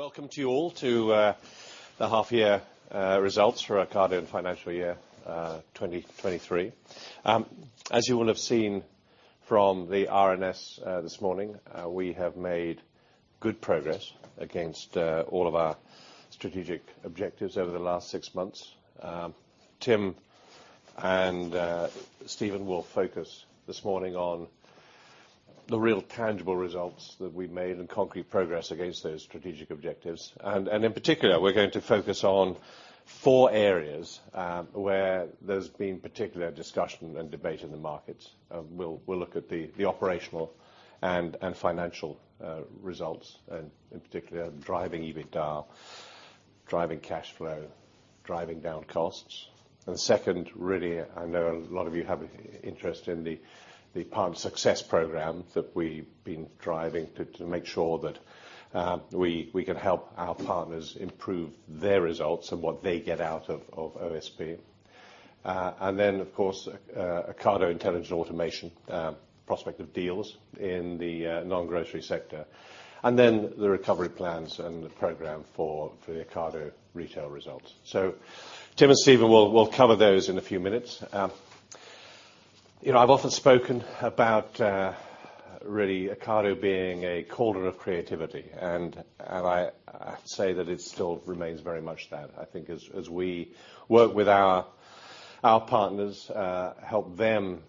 Good morning. Welcome to you all to the half year results for Ocado and financial year 2023. As you will have seen from the RNS this morning, we have made good progress against all of our strategic objectives over the last 6 months. Tim and Stephen will focus this morning on the real tangible results that we've made and concrete progress against those strategic objectives. In particular, we're going to focus on 4 areas where there's been particular discussion and debate in the markets. We'll look at the operational and financial results, and in particular, driving EBITDA, driving cash flow, driving down costs. Second, really, I know a lot of you have interest in the Partner Success Program that we've been driving to make sure that we can help our partners improve their results and what they get out of OSP. Then, of course, Ocado Intelligent Automation prospect of deals in the non-grocery sector, and then the recovery plans and the program for the Ocado Retail results. Tim and Stephen will cover those in a few minutes. You know, I've often spoken about really, Ocado being a cauldron of creativity, and I say that it still remains very much that. I think as we work with our partners, help them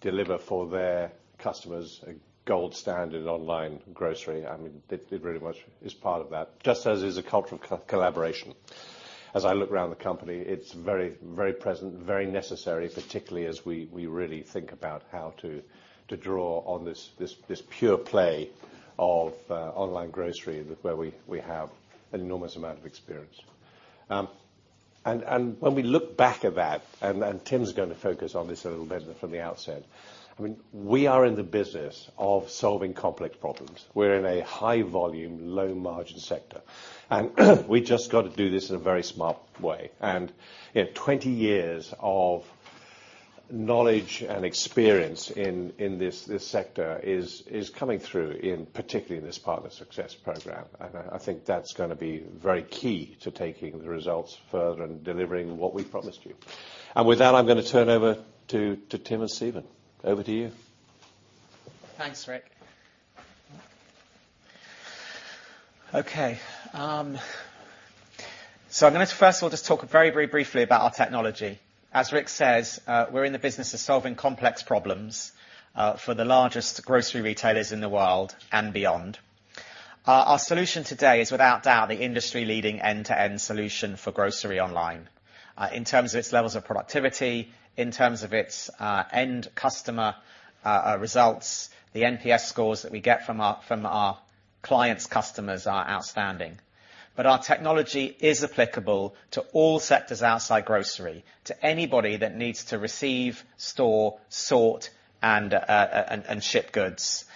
deliver for their customers a gold standard online grocery, I mean, it really much is part of that, just as is a culture of co-collaboration. As I look around the company, it's very present, very necessary, particularly as we really think about how to draw on this pure play of online grocery, where we have an enormous amount of experience. When we look back at that, Tim's going to focus on this a little bit from the outset, I mean, we are in the business of solving complex problems. We're in a high volume, low margin sector. We just got to do this in a very smart way. You know, 20 years of knowledge and experience in this sector is coming through in particularly in this Partner Success program. I think that's going to be very key to taking the results further and delivering what we promised you. With that, I'm going to turn over to Tim and Stephen. Over to you. Thanks, Rick. Okay, I'm going to first of all, just talk very, very briefly about our technology. As Rick says, we're in the business of solving complex problems for the largest grocery retailers in the world and beyond. Our solution today is without doubt, the industry leading end-to-end solution for grocery online. In terms of its levels of productivity, in terms of its end customer results, the NPS scores that we get from our clients' customers are outstanding. Our technology is applicable to all sectors outside grocery, to anybody that needs to receive, store, sort, and ship goods.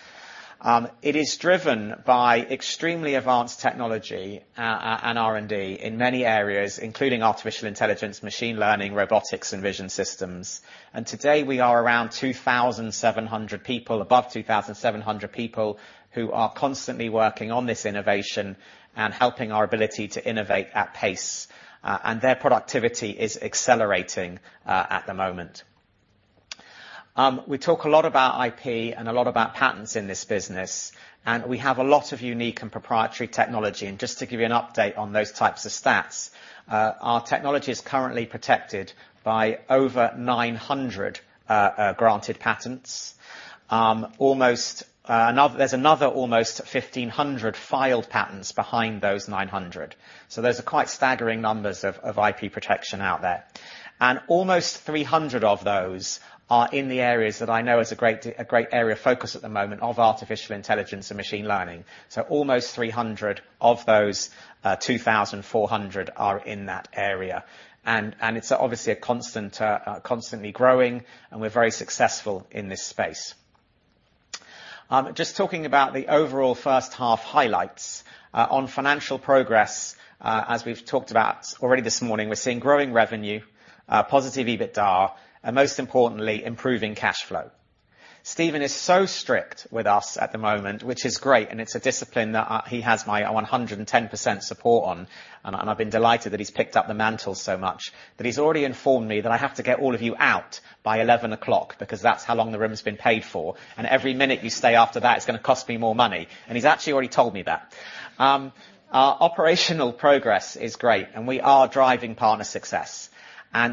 It is driven by extremely advanced technology, and R&D in many areas, including artificial intelligence, machine learning, robotics, and vision systems. Today, we are around 2,700 people, above 2,700 people, who are constantly working on this innovation and helping our ability to innovate at pace, and their productivity is accelerating at the moment. We talk a lot about IP and a lot about patents in this business, we have a lot of unique and proprietary technology. Just to give you an update on those types of stats, our technology is currently protected by over 900 granted patents. Almost, there's another almost 1,500 filed patents behind those 900. Those are quite staggering numbers of IP protection out there. Almost 300 of those are in the areas that I know is a great area of focus at the moment of artificial intelligence and machine learning. Almost 300 of those, 2,400 are in that area, and it's obviously a constant, constantly growing, and we're very successful in this space. Just talking about the overall H1 highlights on financial progress, as we've talked about already this morning, we're seeing growing revenue, positive EBITDA, and most importantly, improving cash flow. Stephen is so strict with us at the moment, which is great, and it's a discipline that he has my 110% support on. I've been delighted that he's picked up the mantle so much. He's already informed me that I have to get all of you out by 11:00 A.M., because that's how long the room has been paid for, and every minute you stay after that, it's going to cost me more money, and he's actually already told me that. Our operational progress is great, and we are driving Partner Success.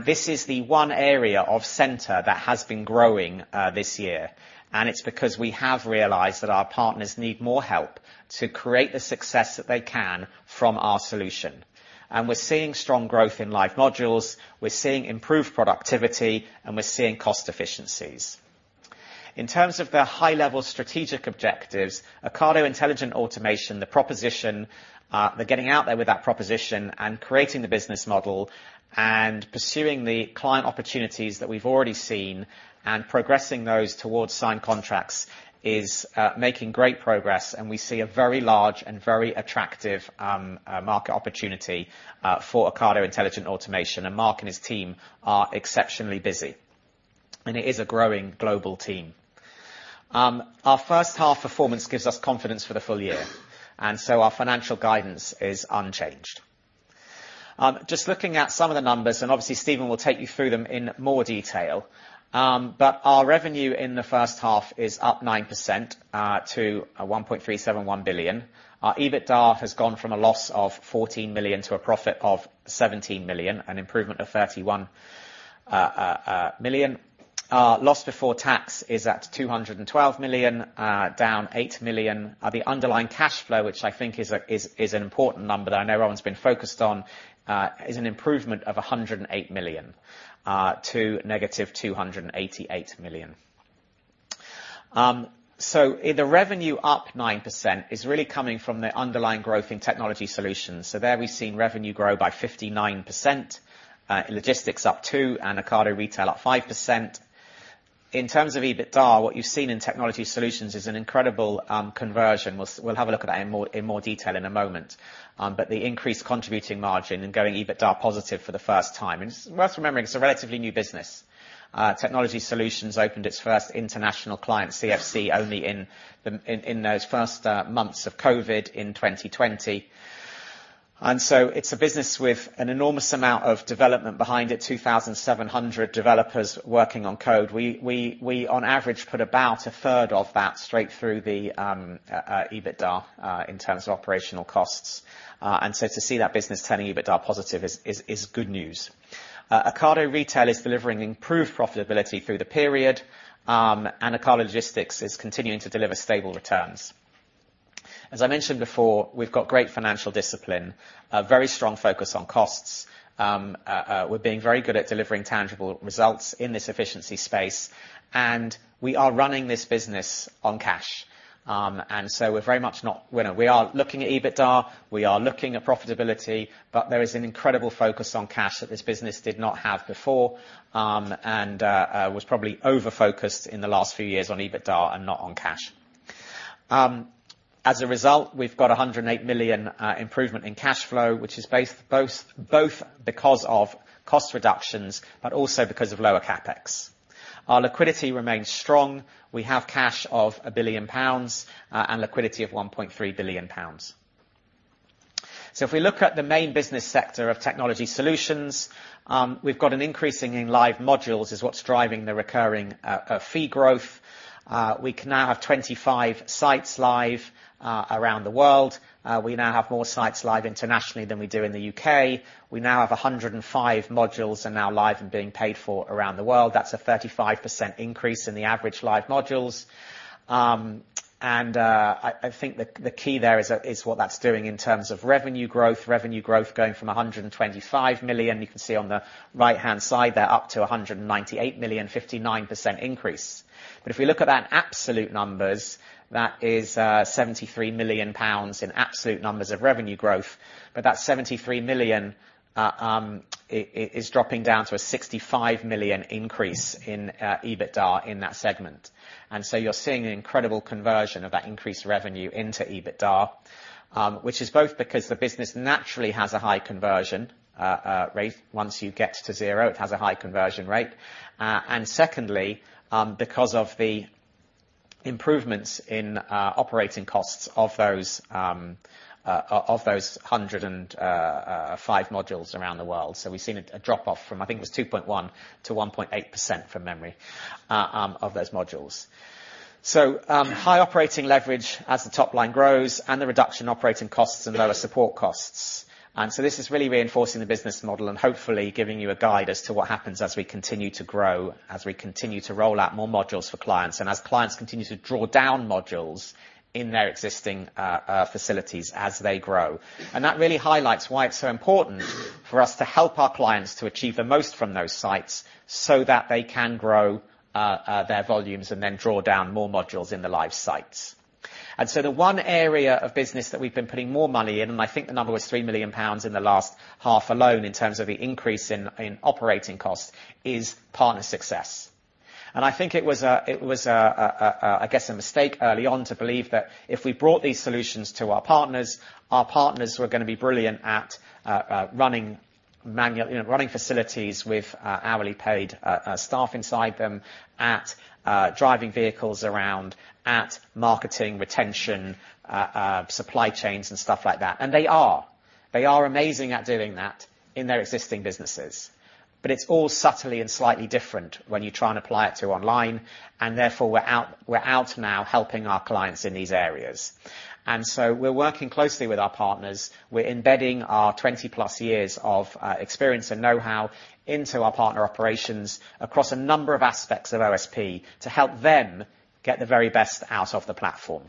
This is the one area of center that has been growing this year. It's because we have realized that our partners need more help to create the success that they can from our solution. We're seeing strong growth in live modules, we're seeing improved productivity, and we're seeing cost efficiencies. In terms of the high-level strategic objectives, Ocado Intelligent Automation, the proposition, they're getting out there with that proposition and creating the business model, and pursuing the client opportunities that we've already seen, and progressing those towards signed contracts is making great progress, and we see a very large and very attractive market opportunity for Ocado Intelligent Automation, and Mark and his team are exceptionally busy. It is a growing global team. Our H1 performance gives us confidence for the full year, so our financial guidance is unchanged. Just looking at some of the numbers, obviously, Stephen will take you through them in more detail. Our revenue in the H1 is up 9%, to 1.371 billion. Our EBITDA has gone from a loss of 14 million to a profit of 17 million, an improvement of 31 million. Loss before tax is at 212 million, down 8 million. The underlying cash flow, which I think is an important number that I know everyone's been focused on, is an improvement of 108 million, to negative 288 million. The revenue up 9% is really coming from the underlying growth in Technology Solutions. There we've seen revenue grow by 59%, in Logistics up 2%, and Ocado Retail up 5%. In terms of EBITDA, what you've seen in Technology Solutions is an incredible conversion. We'll have a look at that in more detail in a moment. The increased contributing margin and going EBITDA positive for the first time. It's worth remembering, it's a relatively new business. Technology Solutions opened its first international client, CFC, only in those first months of COVID in 2020. It's a business with an enormous amount of development behind it, 2,700 developers working on code. We, on average, put about a third of that straight through the EBITDA in terms of operational costs. To see that business turning EBITDA positive is good news. Ocado Retail is delivering improved profitability through the period, and Ocado Logistics is continuing to deliver stable returns. As I mentioned before, we've got great financial discipline, a very strong focus on costs. We're being very good at delivering tangible results in this efficiency space, and we are running this business on cash. We're very much not-- we know we are looking at EBITDA, we are looking at profitability, but there is an incredible focus on cash that this business did not have before, and was probably over-focused in the last few years on EBITDA and not on cash. As a result, we've got 108 million improvement in cash flow, which is both because of cost reductions, but also because of lower CapEx. Our liquidity remains strong. We have cash of 1 billion pounds, and liquidity of 1.3 billion pounds. If we look at the main business sector of Technology Solutions, we've got an increasing in live modules, is what's driving the recurring fee growth. We can now have 25 sites live around the world. We now have more sites live internationally than we do in the UK. We now have 105 modules are now live and being paid for around the world. That's a 35% increase in the average live modules. I think the key there is what that's doing in terms of revenue growth. Revenue growth going from 125 million, you can see on the right-hand side, they're up to 198 million, 59% increase. If we look at that absolute numbers, that is 73 million pounds in absolute numbers of revenue growth, but that 73 million is dropping down to a 65 million increase in EBITDA in that segment. You're seeing an incredible conversion of that increased revenue into EBITDA, which is both because the business naturally has a high conversion rate. Once you get to zero, it has a high conversion rate. Secondly, because of the improvements in operating costs of those of those 105 modules around the world. We've seen a drop-off from, I think it was 2.1%-1.8% from memory of those modules. High operating leverage as the top line grows and the reduction in operating costs and lower support costs. This is really reinforcing the business model and hopefully giving you a guide as to what happens as we continue to grow, as we continue to roll out more modules for clients, and as clients continue to draw down modules in their existing facilities as they grow. That really highlights why it's so important for us to help our clients to achieve the most from those sites so that they can grow their volumes and then draw down more modules in the live sites. The one area of business that we've been putting more money in, and I think the number was 3 million pounds in the last half alone, in terms of the increase in operating costs, is Partner Success. I think it was a mistake early on to believe that if we brought these solutions to our partners, our partners were going to be brilliant at running manual, you know, running facilities with hourly paid staff inside them, at driving vehicles around, at marketing, retention, supply chains and stuff like that. They are amazing at doing that in their existing businesses, but it's all subtly and slightly different when you try and apply it to online, and therefore, we're out now helping our clients in these areas. We're working closely with our partners. We're embedding our 20-plus years of experience and know-how into our partner operations across a number of aspects of OSP to help them get the very best out of the platform.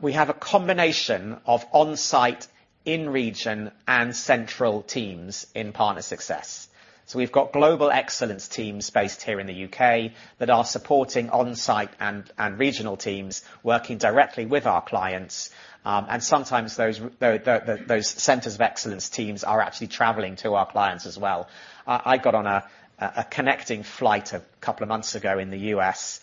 We have a combination of on-site, in-region, and central teams in Partner Success. We've got global excellence teams based here in the UK that are supporting on-site and regional teams working directly with our clients, and sometimes those centers of excellence teams are actually traveling to our clients as well. I got on a connecting flight a couple of months ago in the US.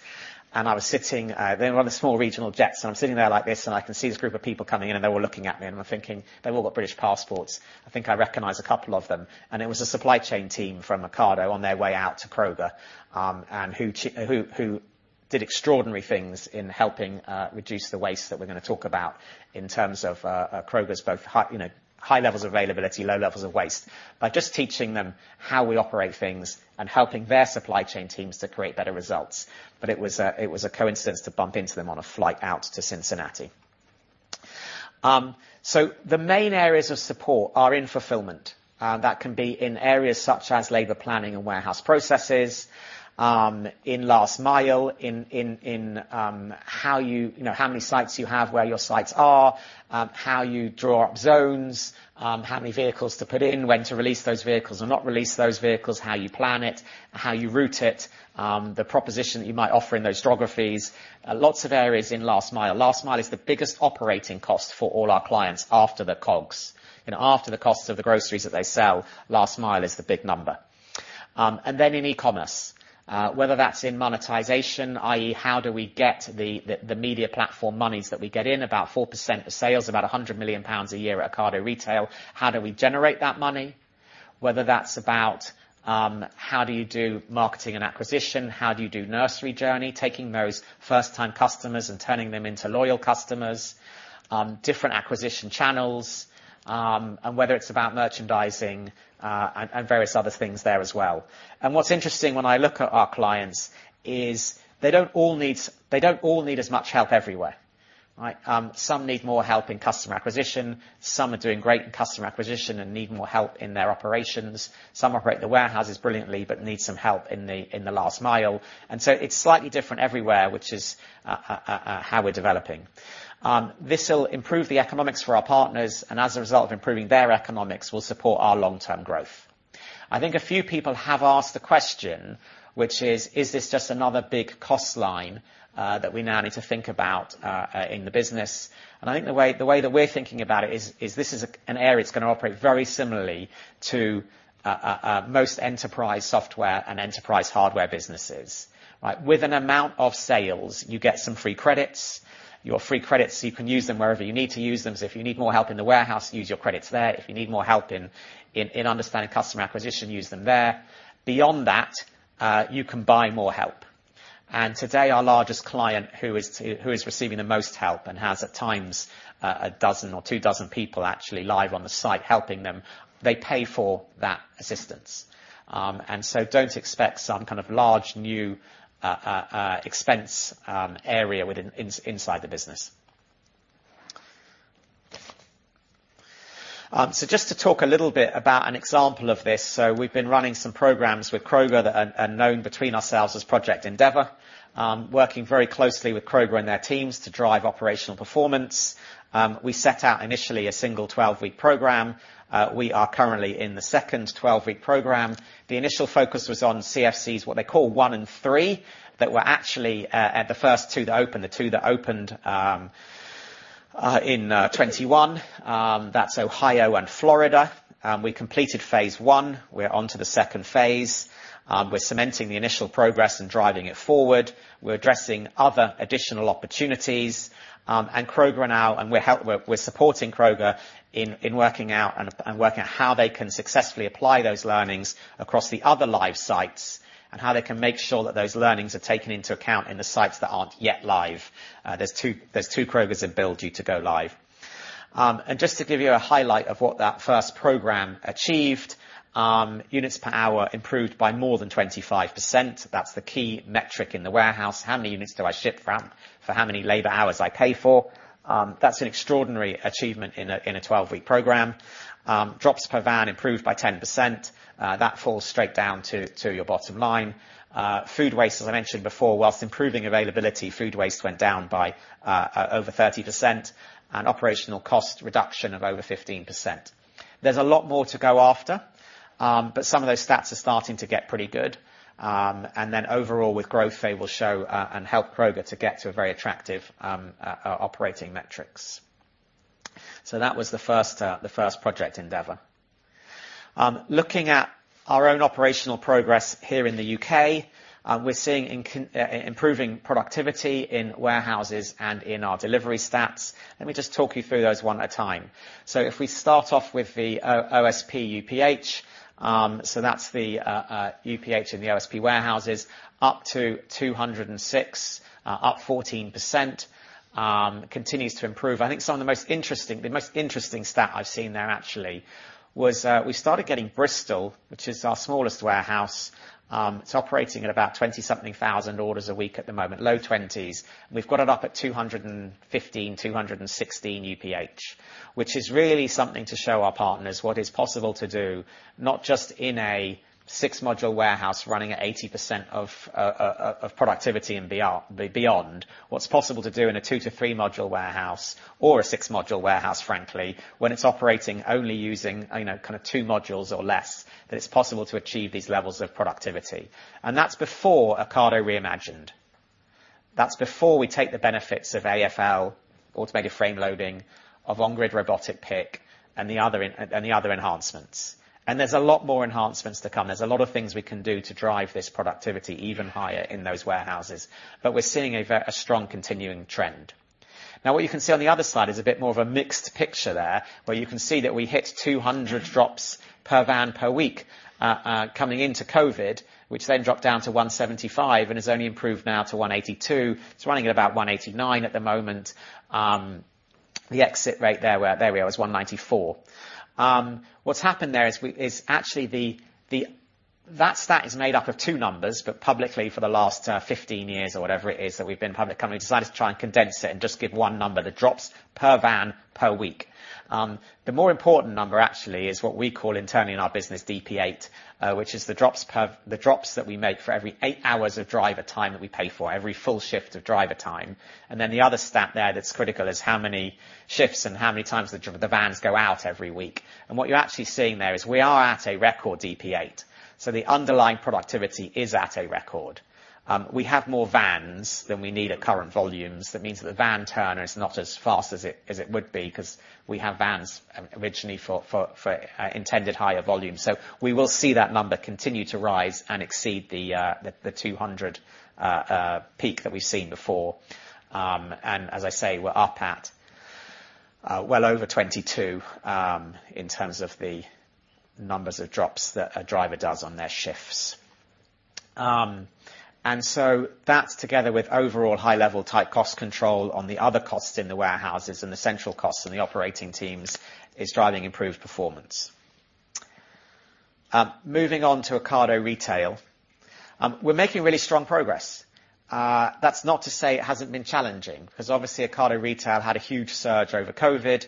I was sitting, they were on a small regional jet, so I'm sitting there like this, and I can see this group of people coming in, and they were looking at me, and I'm thinking, They've all got British passports. I think I recognize a couple of them, and it was a supply chain team from Ocado on their way out to Kroger. Who, who did extraordinary things in helping reduce the waste that we're going to talk about in terms of Kroger's, both high, you know, high levels of availability, low levels of waste, by just teaching them how we operate things and helping their supply chain teams to create better results. It was a coincidence to bump into them on a flight out to Cincinnati. The main areas of support are in fulfilment. That can be in areas such as labor planning and warehouse processes, in last mile, in how you know how many sites you have, where your sites are, how you draw up zones, how many vehicles to put in, when to release those vehicles and not release those vehicles, how you plan it, how you route it, the proposition that you might offer in those geographies. Lots of area in last mile. Last mile is the biggest operating cost for all our clients after the COGS. And after the costs of the groceries that they sell, last mile is the big number. In e-commerce, whether that's in monetisation, i.e., how do we get the media platform moneys that we get in, about 4% of sales, about 100 million pounds a year at Ocado Retail. How do we generate that money? Whether that's about how do you do marketing and acquisition, how do you do nursery journey, taking those first-time customers and turning them into loyal customers, different acquisition channels, and whether it's about merchandising and various other things there as well. What's interesting when I look at our clients is they don't all need as much help everywhere, right? Some need more help in customer acquisition. Some are doing great in customer acquisition and need more help in their operations. Some operate the warehouses brilliantly but need some help in the last mile. It's slightly different everywhere, which is how we're developing. This will improve the economics for our partners, and as a result of improving their economics, will support our long-term growth. I think a few people have asked the question, which is: Is this just another big cost line that we now need to think about in the business? I think the way that we're thinking about it is this is an area that's going to operate very similarly to most enterprise software and enterprise hardware businesses, right? With an amount of sales, you get some free credits. Your free credits, you can use them wherever you need to use them. If you need more help in the warehouse, use your credits there. If you need more help in understanding customer acquisition, use them there. Beyond that, you can buy more help. Today, our largest client, who is receiving the most help and has, at times, a dozen or 2 dozen people actually live on the site, helping them, they pay for that assistance. Don't expect some kind of large, new expense area within inside the business. Just to talk a little bit about an example of this, we've been running some programs with Kroger that are known between ourselves as Project Endeavor. Working very closely with Kroger and their teams to drive operational performance. We set out initially a single 12-week program. We are currently in the 2nd 12-week program. The initial focus was on CFCs, what they call one and three, that were actually at the 1st two that opened in 2021. That's Ohio and Florida. We completed phase 1. We're on to the 2nd phase. We're cementing the initial progress and driving it forward. We're addressing other additional opportunities, and Kroger now, and we're supporting Kroger in working out and working out how they can successfully apply those learnings across the other live sites, and how they can make sure that those learnings are taken into account in the sites that aren't yet live. There's two Krogers in build due to go live. Just to give you a highlight of what that first program achieved, units per hour improved by more than 25%. That's the key metric in the warehouse. How many units do I ship from for how many labor hours I pay for? That's an extraordinary achievement in a 12-week program. Drops per van improved by 10%. That falls straight down to your bottom line. Food waste, as I mentioned before, whilst improving availability, food waste went down by over 30%, and operational cost reduction of over 15%. There's a lot more to go after, some of those stats are starting to get pretty good. Overall, with growth, they will show and help Kroger to get to a very attractive operating metrics. That was the first Project Endeavour. Looking at our own operational progress here in the UK, we're seeing improving productivity in warehouses and in our delivery stats. Let me just talk you through those one at a time. If we start off with the OSP UPH, that's the UPH in the OSP warehouses, up to 206, up 14%, continues to improve. I think some of the most interesting stat I've seen there, actually, was we started getting Bristol, which is our smallest warehouse. It's operating at about 20-something thousand orders a week at the moment, low 20s, and we've got it up at 215, 216 UPH, which is really something to show our partners what is possible to do, not just in a 6-module warehouse running at 80% of productivity. What's possible to do in a 2-to-3-module warehouse or a 6-module warehouse, frankly, when it's operating only using, you know, kind of 2 modules or less, that it's possible to achieve these levels of productivity, and that's before Ocado Reimagined. That's before we take the benefits of AFL, automatic frame loading, of On-Grid Robotic Pick, and the other enhancements. There's a lot more enhancements to come. There's a lot of things we can do to drive this productivity even higher in those warehouses, but we're seeing a strong continuing trend. Now, what you can see on the other side is a bit more of a mixed picture there, where you can see that we hit 200 drops per van per week, coming into COVID, which then dropped down to 175, and has only improved now to 182. It's running at about 189 at the moment. The exit rate there where, there we are, is 194. What's happened there is actually that stat is made up of 2 numbers, but publicly, for the last, 15 years or whatever it is that we've been a public company, decided to try and condense it and just give 1 number, the drops per van per week. The more important number actually is what we call internally in our business DP8, which is the drops per. The drops that we make for every 8 hours of driver time that we pay for, every full shift of driver time. The other stat there that's critical is how many shifts and how many times the vans go out every week. What you're actually seeing there is we are at a record DP8, so the underlying productivity is at a record. We have more vans than we need at current volumes. That means that the van turner is not as fast as it would be, 'cause we have vans originally for intended higher volumes. We will see that number continue to rise and exceed the 200 peak that we've seen before. As I say, we're up at well over 22 in terms of the numbers of drops that a driver does on their shifts. That together with overall high-level tight cost control on the other costs in the warehouses and the central costs and the operating teams, is driving improved performance. Moving on to Ocado Retail. We're making really strong progress. That's not to say it hasn't been challenging, 'cause obviously Ocado Retail had a huge surge over COVID.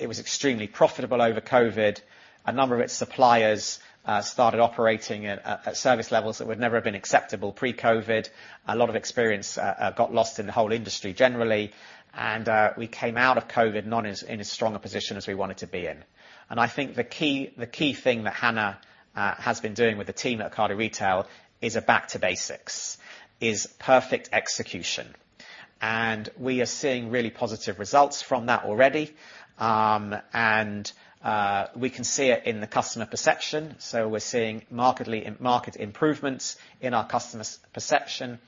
It was extremely profitable over COVID. A number of its suppliers started operating at service levels that would never have been acceptable pre-COVID. A lot of experience got lost in the whole industry generally. We came out of COVID not in as strong a position as we wanted to be in. I think the key thing that Hannah has been doing with the team at Ocado Retail is a back to basics, is perfect execution. We are seeing really positive results from that already. We can see it in the customer perception. We're seeing markedly marked improvements in our customer's perception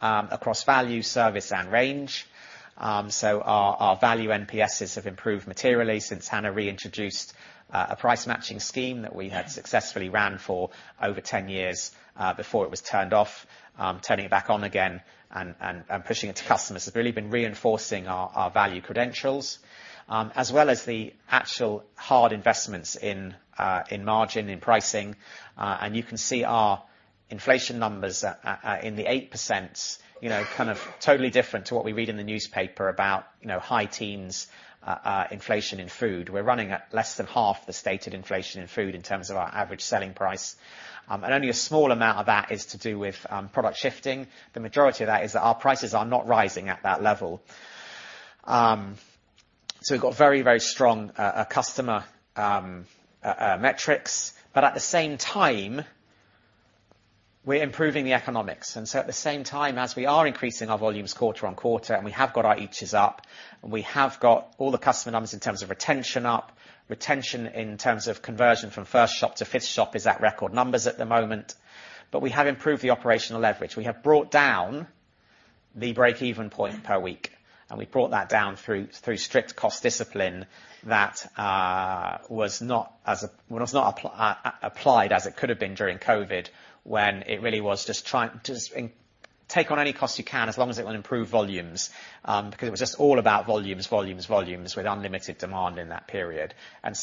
across value, service, and range. Our, our value NPSs have improved materially since Hannah reintroduced a price-matching scheme that we had successfully ran for over 10 years before it was turned off. Turning it back on again and pushing it to customers has really been reinforcing our value credentials as well as the actual hard investments in margin, in pricing. You can see our inflation numbers at in the 8%, you know, kind of totally different to what we read in the newspaper about, you know, high teens inflation in food. We're running at less than half the stated inflation in food in terms of our average selling price, and only a small amount of that is to do with product shifting. The majority of that is that our prices are not rising at that level. We've got very, very strong customer metrics, but at the same time, we're improving the economics. At the same time, as we are increasing our volumes QoQ, and we have got our eaches up, and we have got all the customer numbers in terms of retention up, retention in terms of conversion from first shop to fifth shop is at record numbers at the moment. We have improved the operational leverage. We have brought down the break-even point per week, and we brought that down through strict cost discipline that was not applied as it could have been during COVID, when it really was just trying, just in. Take on any cost you can, as long as it will improve volumes, because it was just all about volumes, volumes with unlimited demand in that period.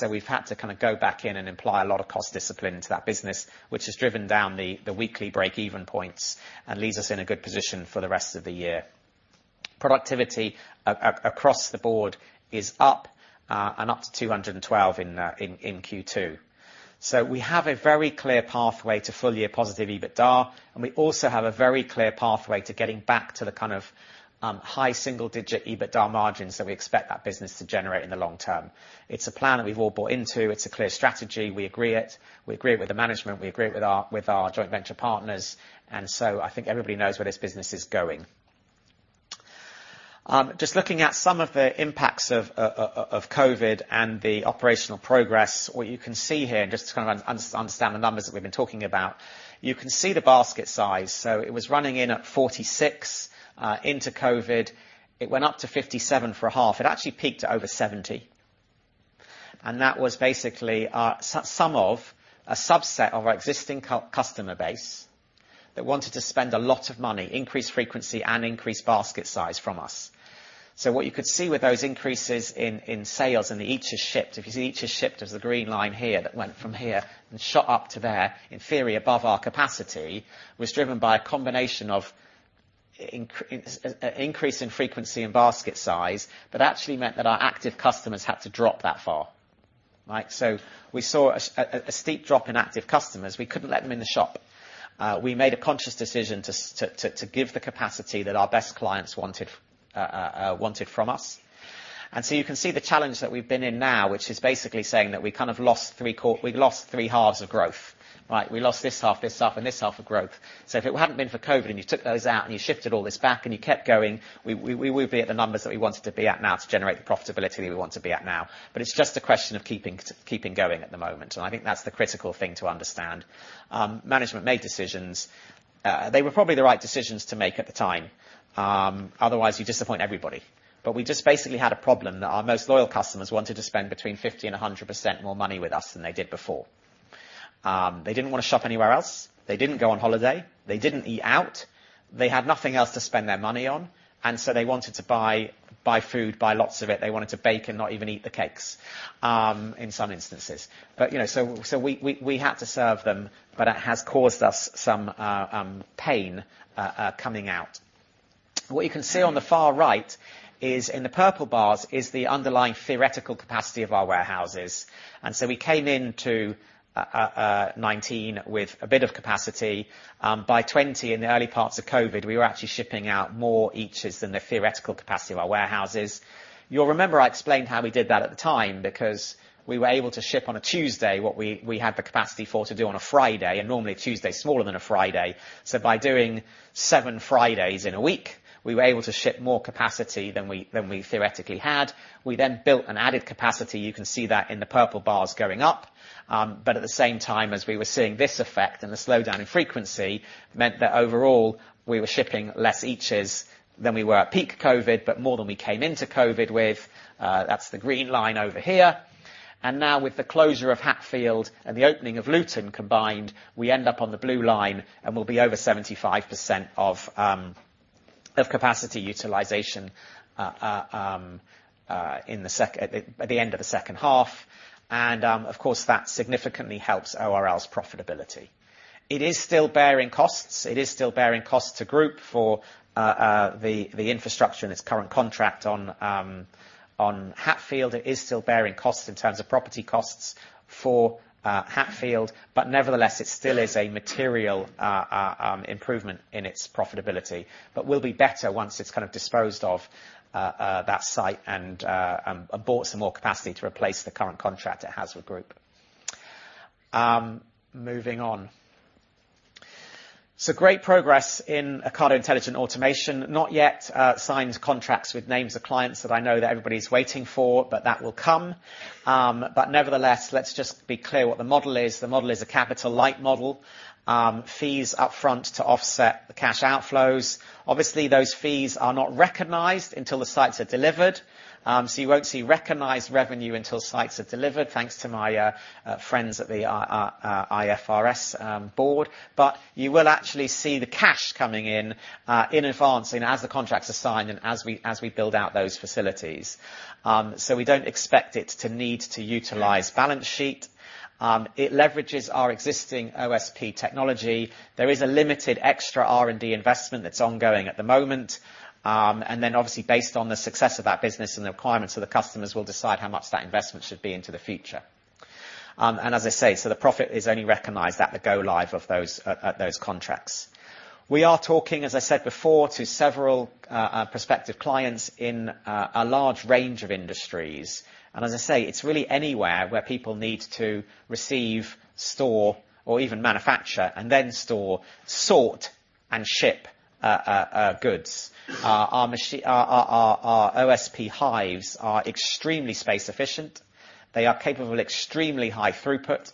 We've had to kind of go back in and imply a lot of cost discipline into that business, which has driven down the weekly break-even points and leaves us in a good position for the rest of the year. Productivity across the board is up, and up to 212 in Q2. We have a very clear pathway to full-year positive EBITDA, and we also have a very clear pathway to getting back to the kind of, high single-digit EBITDA margins that we expect that business to generate in the long term. It's a plan that we've all bought into. It's a clear strategy. We agree it. We agree with the management, we agree with our, with our joint venture partners. I think everybody knows where this business is going. Just looking at some of the impacts of COVID and the operational progress, what you can see here, just to kind of understand the numbers that we've been talking about, you can see the basket size. It was running in at 46. Into COVID, it went up to 57 for a half. It actually peaked at over 70, and that was basically some of a subset of our existing customer base that wanted to spend a lot of money, increase frequency, and increase basket size from us. What you could see with those increases in sales and the eaches shipped, if you see eaches shipped as the green line here, that went from here and shot up to there, in theory, above our capacity, was driven by a combination of increase in frequency and basket size, but actually meant that our active customers had to drop that far. Right? We saw a steep drop in active customers. We couldn't let them in the shop. We made a conscious decision to give the capacity that our best clients wanted from us. You can see the challenge that we've been in now, which is basically saying that we've lost three halves of growth, right? We lost this half, this half, and this half of growth. If it hadn't been for COVID, and you took those out, and you shifted all this back, and you kept going, we would be at the numbers that we wanted to be at now to generate the profitability we want to be at now. It's just a question of keeping going at the moment, and I think that's the critical thing to understand. Management made decisions. They were probably the right decisions to make at the time, otherwise, you disappoint everybody. We just basically had a problem that our most loyal customers wanted to spend between 50% and 100% more money with us than they did before. They didn't want to shop anywhere else. They didn't go on holiday. They didn't eat out. They had nothing else to spend their money on, they wanted to buy food, buy lots of it. They wanted to bake and not even eat the cakes, in some instances. You know, so we had to serve them, but it has caused us some pain coming out. What you can see on the far right is, in the purple bars, is the underlying theoretical capacity of our warehouses. We came into 2019 with a bit of capacity. By 2020, in the early parts of COVID, we were actually shipping out more each than the theoretical capacity of our warehouses. You'll remember I explained how we did that at the time because we were able to ship on a Tuesday what we had the capacity for to do on a Friday, and normally Tuesday is smaller than a Friday. By doing seven Fridays in a week, we were able to ship more capacity than we theoretically had. We built an added capacity. You can see that in the purple bars going up. At the same time, as we were seeing this effect and the slowdown in frequency, meant that overall we were shipping less each than we were at peak COVID, but more than we came into COVID with. That's the green line over here. Now with the closure of Hatfield and the opening of Luton combined, we end up on the blue line and will be over 75% of capacity utilization at the end of the H2, of course, that significantly helps ORL's profitability. It is still bearing costs. It is still bearing cost to group for the infrastructure in its current contract on Hatfield. It is still bearing costs in terms of property costs for Hatfield, nevertheless, it still is a material improvement in its profitability, will be better once it's kind of disposed of that site and bought some more capacity to replace the current contract it has with group. Moving on. Great progress in Ocado Intelligent Automation. Not yet, signed contracts with names of clients that I know that everybody's waiting for, but that will come. Nevertheless, let's just be clear what the model is. The model is a capital-light model. Fees up front to offset the cash outflows. Obviously, those fees are not recognised until the sites are delivered, so you won't see recognised revenue until sites are delivered. Thanks to my friends at the IFRS board, but you will actually see the cash coming in advancing as the contracts are signed and as we build out those facilities. We don't expect it to need to utilise balance sheet. It leverages our existing OSP technology. There is a limited extra R&D investment that's ongoing at the moment. Obviously, based on the success of that business and the requirements of the customers, we'll decide how much that investment should be into the future. As I say, the profit is only recognised at the go live of those at those contracts. We are talking, as I said before, to several prospective clients in a large range of industries. As I say, it's really anywhere where people need to receive, store, or even manufacture and then store, sort, and ship goods. Our OSP Hives are extremely space efficient. They are capable of extremely high throughput,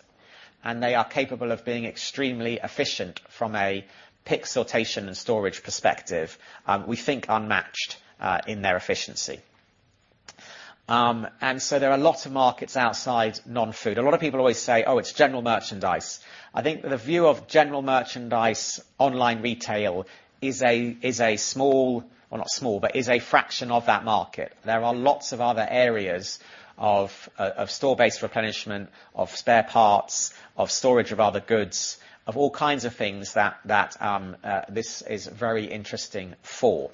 and they are capable of being extremely efficient from a pick, sortation, and storage perspective. We think unmatched in their efficiency. There are a lot of markets outside non-food. A lot of people always say, "Oh, it's general merchandise." I think the view of general merchandise online retail is a small, or not small, but is a fraction of that market. There are lots of other areas of store-based replenishment, of spare parts, of storage of other goods, of all kinds of things that, this is very interesting for.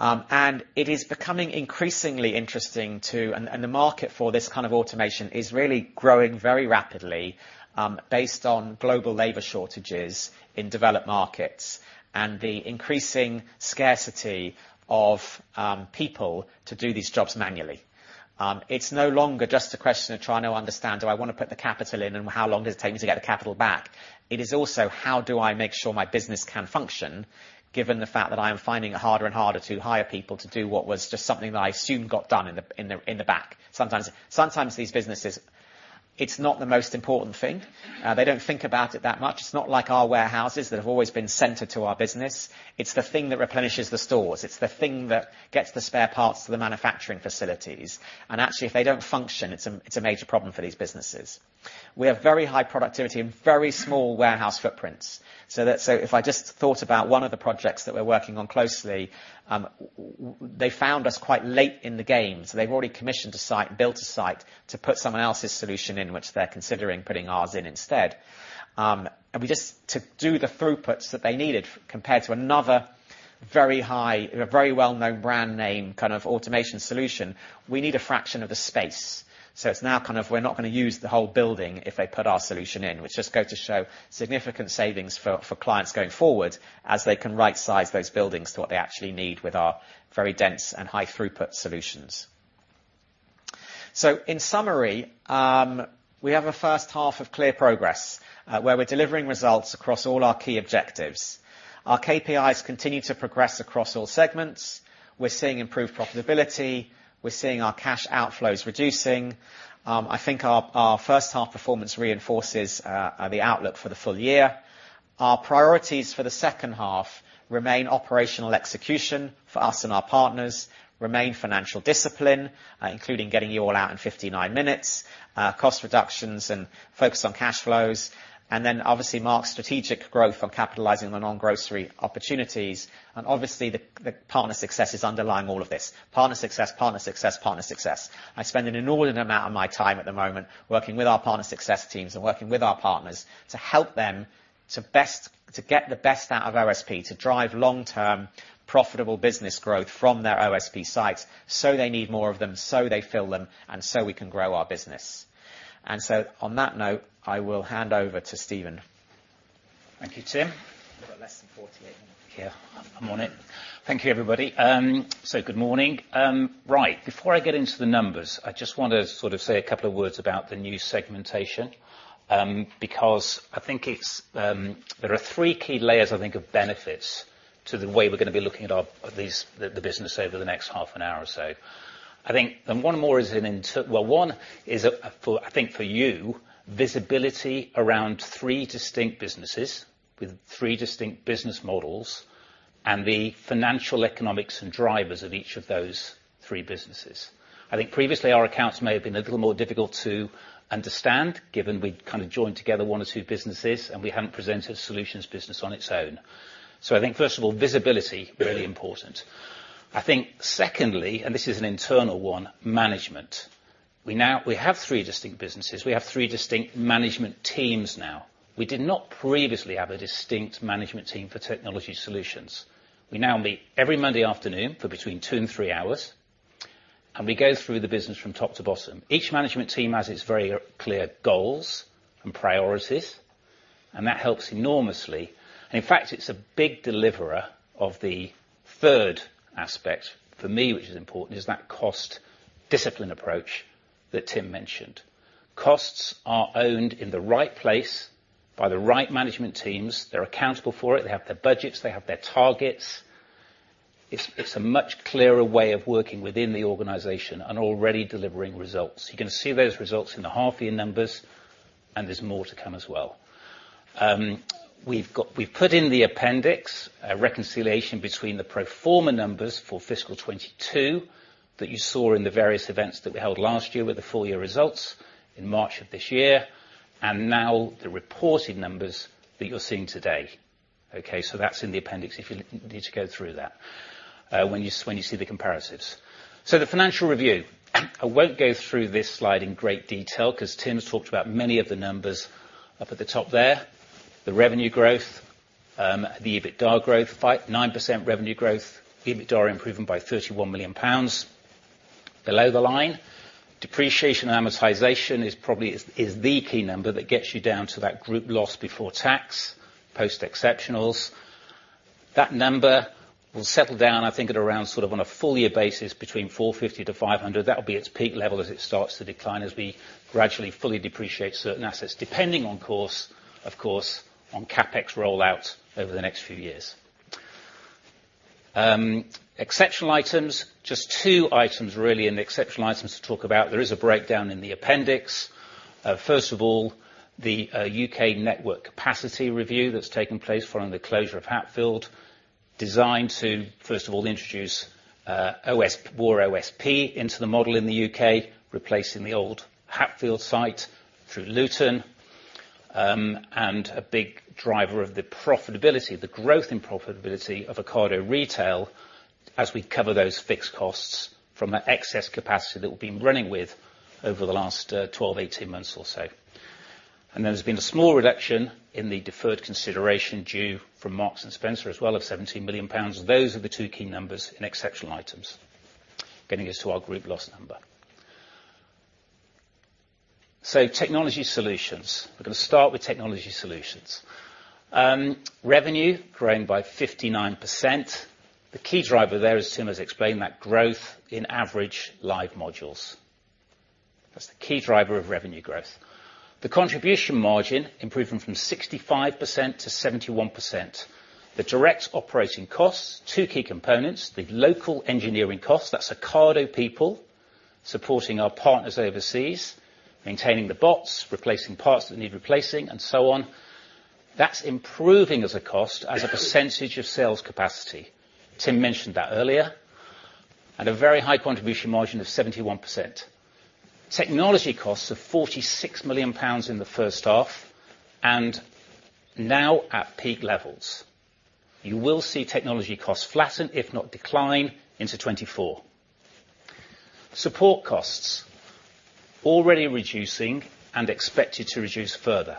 It is becoming increasingly interesting to. The market for this kind of automation is really growing very rapidly, based on global labor shortages in developed markets and the increasing scarcity of people to do these jobs manually. It's no longer just a question of trying to understand, do I want to put the capital in, and how long does it take me to get the capital back? It is also, how do I make sure my business can function, given the fact that I am finding it harder and harder to hire people to do what was just something that I assumed got done in the back? Sometimes these businesses, it's not the most important thing. They don't think about it that much. It's not like our warehouses that have always been center to our business. It's the thing that replenishes the stores. It's the thing that gets the spare parts to the manufacturing facilities, and actually, if they don't function, it's a major problem for these businesses. We have very high productivity and very small warehouse footprints. That, if I just thought about one of the projects that we're working on closely, they found us quite late in the game, so they've already commissioned a site, built a site to put someone else's solution in, which they're considering putting ours in instead. We just, to do the throughputs that they needed compared to another very high, very well-known brand name, kind of automation solution, we need a fraction of the space. It's now kind of we're not going to use the whole building if they put our solution in, which just go to show significant savings for clients going forward, as they can right-size those buildings to what they actually need with our very dense and high throughput solutions. In summary, we have a H1 of clear progress where we're delivering results across all our key objectives. Our KPIs continue to progress across all segments. We're seeing improved profitability, we're seeing our cash outflows reducing. I think our H1 performance reinforces the outlook for the full year. Our priorities for the H2 remain operational execution for us and our partners, remain financial discipline, including getting you all out in 59 minutes, cost reductions and focus on cash flows, obviously, mark strategic growth on capitalising the non-grocery opportunities. Obviously, the Partner Success is underlying all of this. Partner Success, Partner Success, Partner Success. I spend an inordinate amount of my time at the moment working with our Partner Success teams and working with our partners to help them to get the best out of OSP, to drive long-term, profitable business growth from their OSP sites, so they need more of them, so they fill them, and so we can grow our business. On that note, I will hand over to Stephen. Thank you, Tim. You've got less than 48 minutes. Yeah, I'm on it. Thank you, everybody. Good morning. Right, before I get into the numbers, I just want to sort of say a couple of words about the new segmentation, because I think it's, there are three key layers, I think, of benefits to the way we're going to be looking at our, these, the business over the next half an hour or so. I think, and one more is well, one is a, for, I think for you, visibility around three distinct businesses with three distinct business models and the financial economics and drivers of each of those three businesses. I think previously, our accounts may have been a little more difficult to understand, given we kind of joined together one or two businesses, and we hadn't presented solutions business on its own. I think, first of all, visibility, really important. I think secondly, and this is an internal one, management. We now have three distinct businesses. We have three distinct management teams now. We did not previously have a distinct management team for Technology Solutions. We now meet every Monday afternoon for between two and three hours, and we go through the business from top to bottom. Each management team has its very clear goals and priorities, and that helps enormously. In fact, it's a big deliverer of the third aspect, for me, which is important, is that cost discipline approach that Tim mentioned. Costs are owned in the right place by the right management teams. They're accountable for it. They have their budgets, they have their targets. It's a much clearer way of working within the organisation and already delivering results. You can see those results in the half-year numbers. There's more to come as well. We've put in the appendix, a reconciliation between the pro forma numbers for fiscal 2022 that you saw in the various events that we held last year with the full-year results in March of this year, and now the reported numbers that you're seeing today. That's in the appendix, if you need to go through that when you see the comparatives. The financial review. I won't go through this slide in great detail because Tim's talked about many of the numbers up at the top there. The revenue growth, the EBITDA growth, 9% revenue growth, EBITDA improvement by 31 million pounds. Below the line, depreciation and amortisation is probably the key number that gets you down to that group loss before tax, post exceptional. That number will settle down, I think, at around, sort of on a full year basis, between 450 to 500. That'll be its peak level as it starts to decline, as we gradually fully depreciate certain assets, depending on course, on CapEx rollout over the next few years. Exceptional items, just two items, really, in the exceptional items to talk about. There is a breakdown in the appendix. First of all, the UK network capacity review that's taken place following the closure of Hatfield, designed to, first of all, introduce more OSP into the model in the UK, replacing the old Hatfield site through Luton, and a big driver of the profitability, the growth in profitability of Ocado Retail as we cover those fixed costs from that excess capacity that we've been running with over the last 12, 18 months or so. There's been a small reduction in the deferred consideration due from Marks and Spencer as well, of 17 million pounds. Those are the two key numbers in exceptional items, getting us to our group loss number. Technology Solutions. We're going to start with Technology Solutions. Revenue grown by 59%. The key driver there, as Tim has explained, that growth in average live modules. That's the key driver of revenue growth. The contribution margin improving from 65% to 71%. The direct operating costs, two key components, the local engineering costs, that's Ocado people supporting our partners overseas, maintaining the bots, replacing parts that need replacing, and so on. That's improving as a cost as a percentage of sales capacity. Tim mentioned that earlier. A very high contribution margin of 71%. Technology costs of 46 million pounds in the H1 and now at peak levels. You will see technology costs flatten, if not decline, into 2024. Support costs already reducing and expected to reduce further.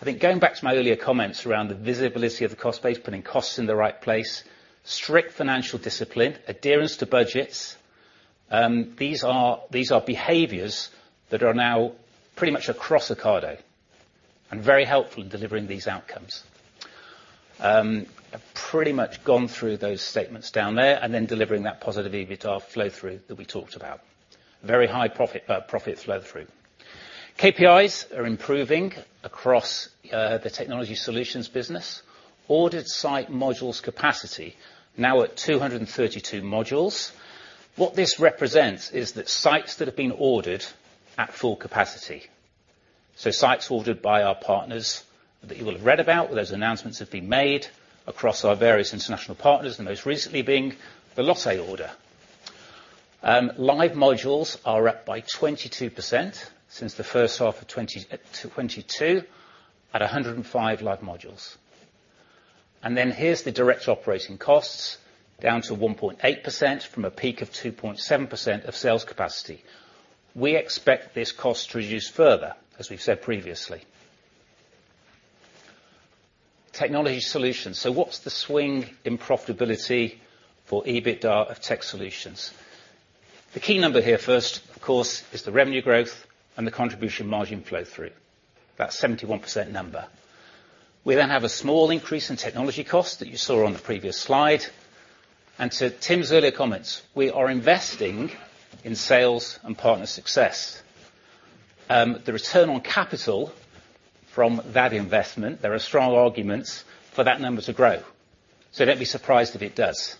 I think going back to my earlier comments around the visibility of the cost base, putting costs in the right place, strict financial discipline, adherence to budgets, these are behaviours that are now pretty much across Ocado and very helpful in delivering these outcomes. I've pretty much gone through those statements down there, and then delivering that positive EBITDA flow through that we talked about. Very high profit flow through. KPIs are improving across the Technology Solutions business. Ordered site modules capacity now at 232 modules. What this represents is that sites that have been ordered at full capacity, so sites ordered by our partners that you will have read about, where those announcements have been made across our various international partners, the most recently being the Lotte order. Live modules are up by 22% since the H1 of 2022, at 105 live modules. Here's the direct operating costs, down to 1.8% from a peak of 2.7% of sales capacity. We expect this cost to reduce further, as we've said previously. Technology Solutions. What's the swing in profitability for EBITDA of Technology Solutions? The key number here first, of course, is the revenue growth and the contribution margin flow through. That's 71% number. We then have a small increase in technology costs that you saw on the previous slide, and to Tim's earlier comments, we are investing in sales and Partner Success. The return on capital from that investment, there are strong arguments for that number to grow, so don't be surprised if it does.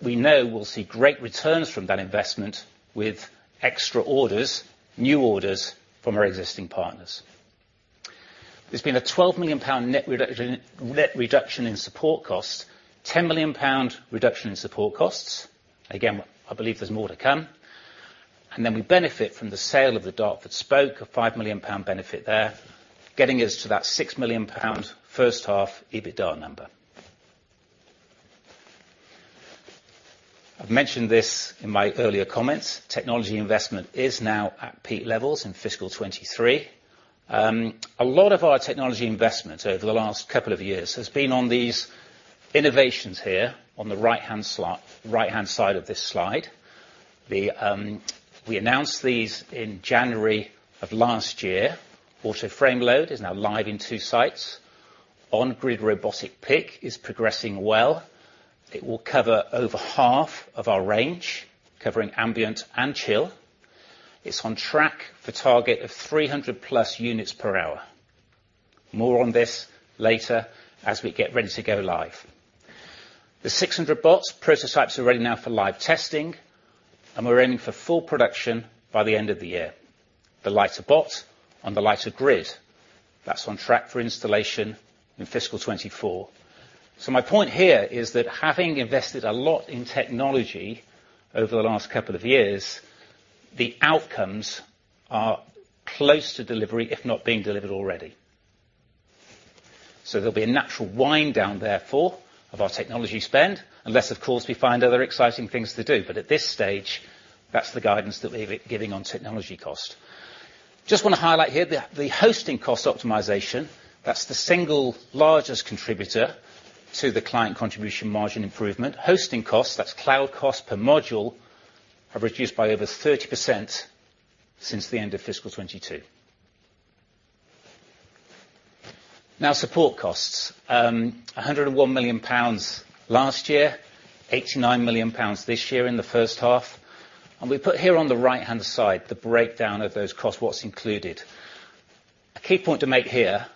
We know we'll see great returns from that investment with extra orders, new orders from our existing partners. There's been a 12 million pound net reduction in support costs, 10 million pound reduction in support costs. Again, I believe there's more to come. We benefit from the sale of the Dartford spoke, a 5 million pound benefit there, getting us to that 6 million pound H1 EBITDA number. I've mentioned this in my earlier comments, technology investment is now at peak levels in fiscal 2023. A lot of our technology investment over the last couple of years has been on these innovations here on the right-hand side of this slide. We announced these in January of last year. Auto Frame Load is now live in two sites. On-Grid Robotic Pick is progressing well. It will cover over half of our range, covering ambient and chill. It's on track for target of 300+ units per hour. More on this later as we get ready to go live. The 600 Series Bots prototypes are ready now for live testing, we're aiming for full production by the end of the year. The lighter bot on the lighter grid, that's on track for installation in fiscal 2024. My point here is that having invested a lot in technology over the last couple of years, the outcomes are close to delivery, if not being delivered already. There'll be a natural wind down therefore of our technology spend, unless, of course, we find other exciting things to do. At this stage, that's the guidance that we're giving on technology cost. Just want to highlight here the hosting cost optimization, that's the single largest contributor to the client contribution margin improvement. Hosting costs, that's cloud cost per module, have reduced by over 30% since the end of fiscal 2022. Support costs, 101 million pounds last year, 89 million pounds this year in the H1, and we put here on the right-hand side, the breakdown of those costs, what's included. A key point to make here,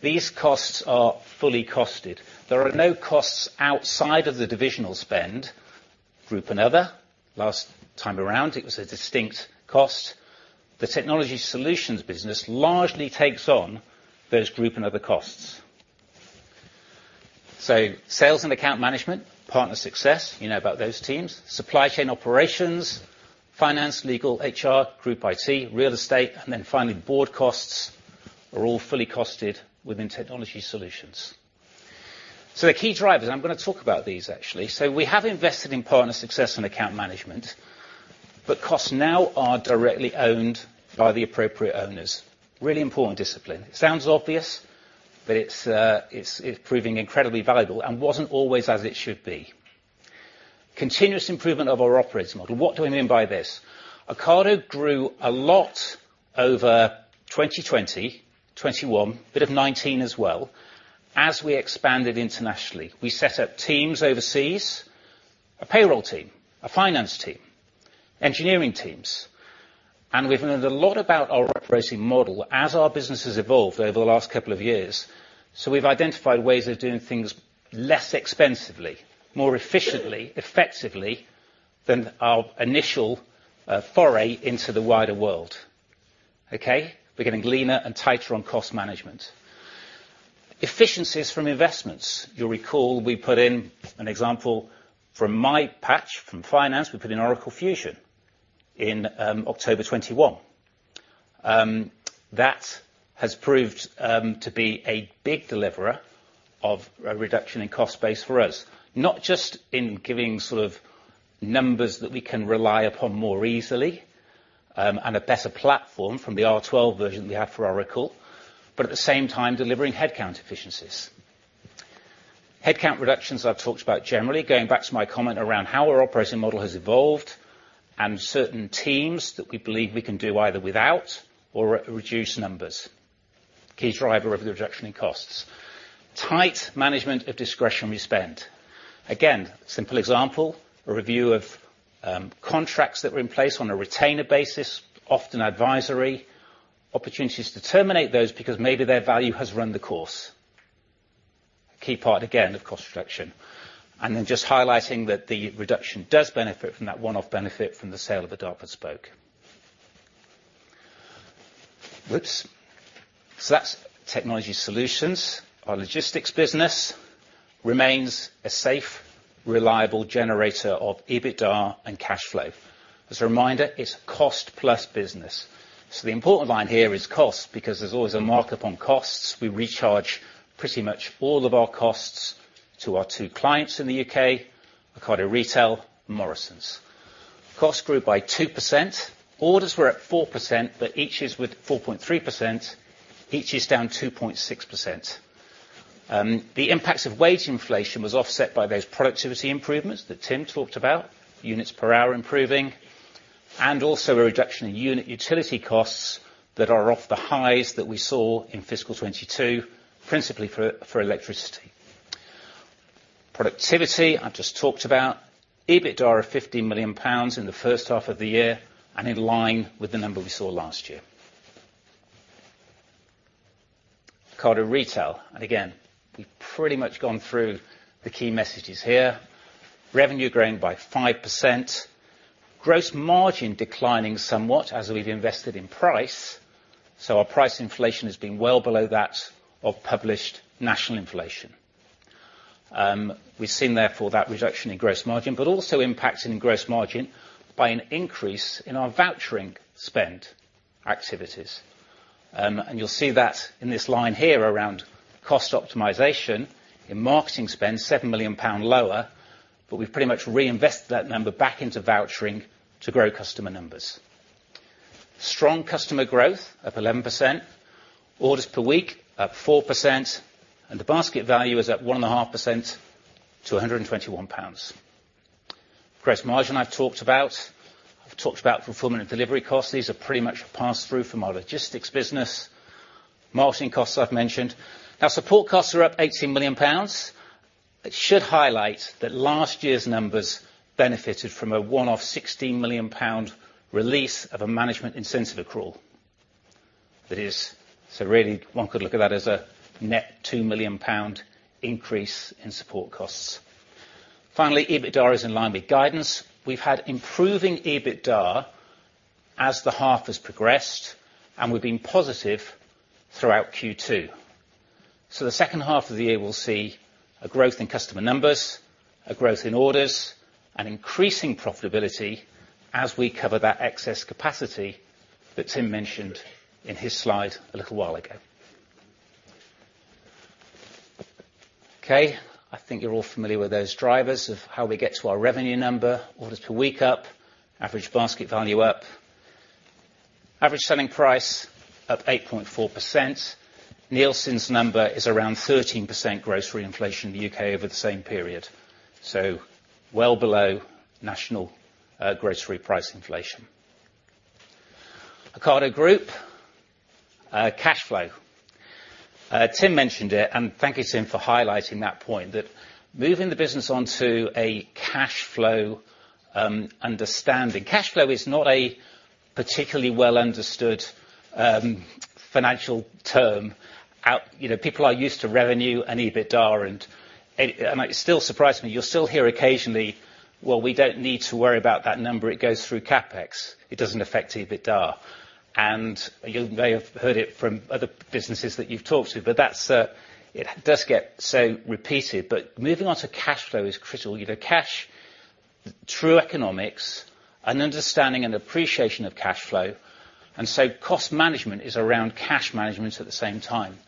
these costs are fully costed. There are no costs outside of the divisional spend, group and other. Last time around, it was a distinct cost. The Technology Solutions business largely takes on those group and other costs. Sales and account management, Partner Success, you know about those teams, supply chain operations, finance, legal, HR, Group IT, real estate, and then finally, board costs are all fully costed within Technology Solutions. The key drivers, I'm going to talk about these actually. We have invested in Partner Success and account management, but costs now are directly owned by the appropriate owners. Really important discipline. It sounds obvious, but it's proving incredibly valuable and wasn't always as it should be. Continuous improvement of our operating model. What do I mean by this? Ocado grew a lot over 2020, 2021, bit of 2019 as well, as we expanded internationally. We set up teams overseas, a payroll team, a finance team, engineering teams, we've learned a lot about our operating model as our business has evolved over the last couple of years, we've identified ways of doing things less expensively, more efficiently, effectively than our initial foray into the wider world. Okay? We're getting leaner and tighter on cost management. Efficiencies from investments. You'll recall we put in an example from my patch, from finance, we put in Oracle Fusion in October 2021. That has proved to be a big deliverer of a reduction in cost base for us, not just in giving numbers that we can rely upon more easily, and a better platform from the R12 version we have for Oracle, but at the same time, delivering headcount efficiencies. Headcount reductions, I've talked about generally, going back to my comment around how our operating model has evolved and certain teams that we believe we can do either without or reduce numbers. Key driver of the reduction in costs. Tight management of discretionary spend. Again, simple example, a review of contracts that were in place on a retainer basis, often advisory, opportunities to terminate those because maybe their value has run the course. Key part, again, of cost reduction. Just highlighting that the reduction does benefit from that one-off benefit from the sale of the Dartford spoke. Whoops! That's Technology Solutions. Our logistics business remains a safe, reliable generator of EBITDA and cash flow. As a reminder, it's a cost-plus business. The important line here is cost, because there's always a markup on costs. We recharge pretty much all of our costs to our two clients in the U.K., Ocado Retail and Morrisons. Costs grew by 2%. Orders were at 4%, but each is with 4.3%, each is down 2.6%. The impacts of wage inflation was offset by those productivity improvements that Tim talked about, units per hour improving, and also a reduction in unit utility costs that are off the highs that we saw in fiscal 2022, principally for electricity. Productivity, I've just talked about. EBITDA of 50 million pounds in the H1 of the year, and in line with the number we saw last year. Ocado Retail. Again, we've pretty much gone through the key messages here. Revenue growing by 5%, gross margin declining somewhat as we've invested in price. Our price inflation has been well below that of published national inflation. We've seen, therefore, that reduction in gross margin, but also impacting gross margin by an increase in our vouchering spend activities. You'll see that in this line here around cost optimization, in marketing spend, 7 million pound lower, but we've pretty much reinvested that number back into vouchering to grow customer numbers. Strong customer growth up 11%, orders per week up 4%, and the basket value is at 1.5% to 121 pounds. Gross margin, I've talked about. I've talked about fulfillment and delivery costs. These are pretty much passed through from our logistics business. Marketing costs, I've mentioned. Our support costs are up 18 million pounds. It should highlight that last year's numbers benefited from a one-off GBP 16 million release of a management incentive accrual. That is, really, one could look at that as a net 2 million pound increase in support costs. Finally, EBITDA is in line with guidance. We've had improving EBITDA as the half has progressed, and we've been positive throughout Q2. The H2 of the year, we'll see a growth in customer numbers, a growth in orders, and increasing profitability as we cover that excess capacity that Tim mentioned in his slide a little while ago. Okay, I think you're all familiar with those drivers of how we get to our revenue number, orders per week up, average basket value up, average selling price up 8.4%. NielsenIQ's number is around 13% grocery inflation in the UK over the same period, well below national grocery price inflation. Ocado Group cash flow. Tim mentioned it, and thank you, Tim, for highlighting that point, that moving the business on to a cash flow understanding. Cash flow is not a particularly well understood financial term. You know, people are used to revenue and EBITDA, and it still surprises me. You'll still hear occasionally, "Well, we don't need to worry about that number. It goes through CapEx. It doesn't affect EBITDA." You may have heard it from other businesses that you've talked to, but that's, it does get so repeated. Moving on to cash flow is critical. You know, cash, true economics, an understanding and appreciation of cash flow. Cost management is around cash management at the same time.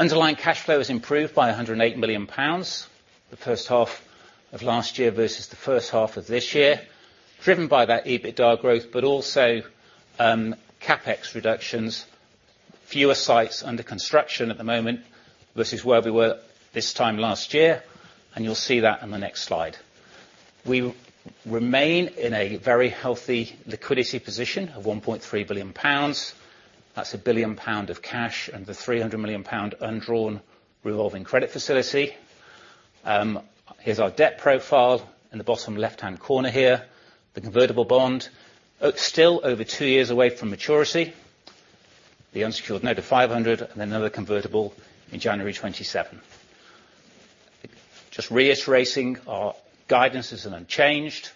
Underlying cash flow has improved by 108 million pounds the H1 of last year versus the H1 of this year, driven by that EBITDA growth. Also, CapEx reductions, fewer sites under construction at the moment versus where we were this time last year. You'll see that in the next slide. We remain in a very healthy liquidity position of 1.3 billion pounds. That's 1 billion pound of cash and the 300 million pound undrawn revolving credit facility. Here's our debt profile in the bottom left-hand corner here. The convertible bond, still over two years away from maturity, the unsecured note of 500 million, and another convertible in January 2027. Just reiterating, our guidance is unchanged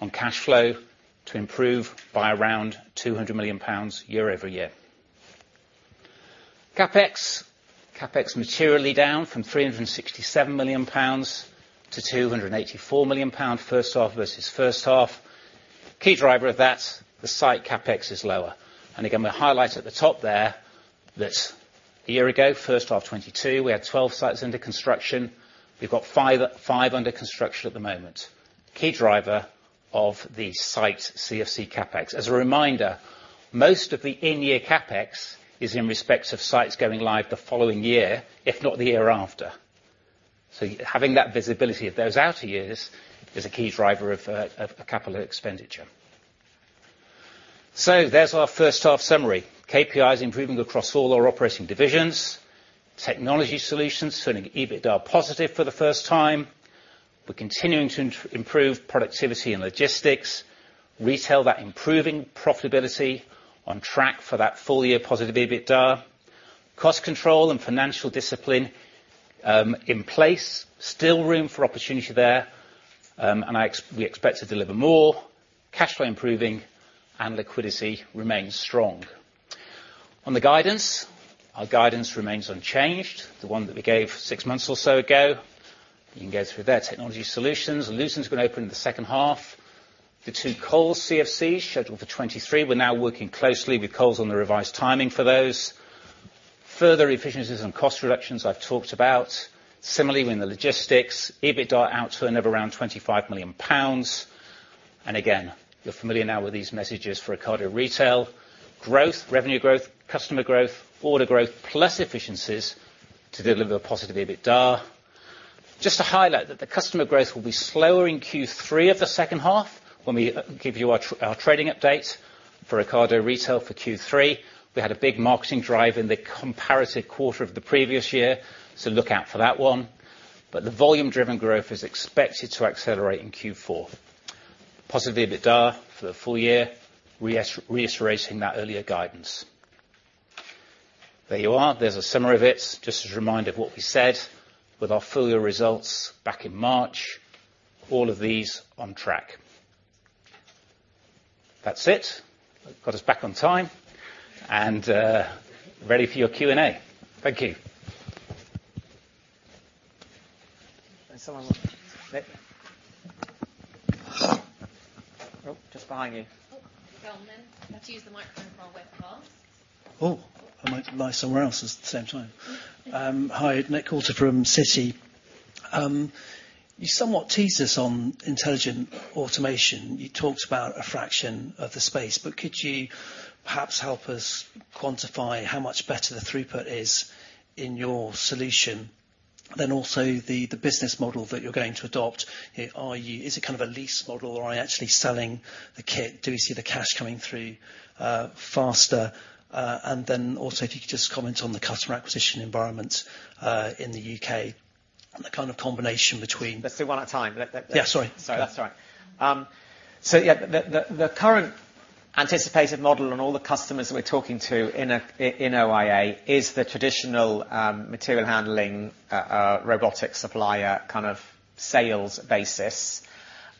on cash flow to improve by around 200 million pounds year-over-year. CapEx. CapEx materially down from 367 million pounds to 284 million pounds, H1 versus H1. Key driver of that, the site CapEx is lower. Again, we highlight at the top there, that a year ago, H1 2022, we had 12 sites under construction. We've got 5 under construction at the moment. Key driver of the site CFC CapEx. As a reminder, most of the in-year CapEx is in respect of sites going live the following year, if not the year after. Having that visibility of those outer years is a key driver of a capital expenditure. There's our H1 summary. KPIs improving across all our operating divisions. Technology Solutions, turning EBITDA positive for the first time. We're continuing to improve productivity and logistics. Retail, that improving profitability on track for that full year positive EBITDA. Cost control and financial discipline in place. Still room for opportunity there, and we expect to deliver more. Cash flow improving and liquidity remains strong. On the guidance, our guidance remains unchanged, the one that we gave six months or so ago. You can go through there. Technology Solutions, Luton's going to open in the H2. The two Kroger CFCs scheduled for 2023. We're now working closely with Kroger on the revised timing for those. Further efficiencies and cost reductions I've talked about. Similarly, in the logistics, EBITDA outturn of around 25 million pounds. Again, you're familiar now with these messages for Ocado Retail. Growth, revenue growth, customer growth, order growth, plus efficiencies to deliver a positive EBITDA. Just to highlight that the customer growth will be slower in Q3 of the H2 when we give you our trading update for Ocado Retail for Q3. We had a big marketing drive in the comparative quarter of the previous year, so look out for that one. The volume-driven growth is expected to accelerate in Q4. Positive EBITDA for the full year, reiterating that earlier guidance. There you are. There's a summary of it, just as a reminder of what we said with our full year results back in March. All of these on track. That's it. Got us back on time and ready for your Q&A. Thank you. Oh, I might lie somewhere else at the same time. Hi, Nick Coulter from Citi. You somewhat teased us on Intelligent Automation. You talked about a fraction of the space, but could you perhaps help us quantify how much better the throughput is in your solution? The business model that you're going to adopt. Is it kind of a lease model, or are you actually selling the kit? Do you see the cash coming through faster? If you could just comment on the customer acquisition environment in the UK and the kind of combination between- Let's do one at a time. Yeah, sorry. Sorry. That's all right. Yeah, the current anticipated model and all the customers we're talking to in OIA is the traditional material handling robotic supplier kind of sales basis.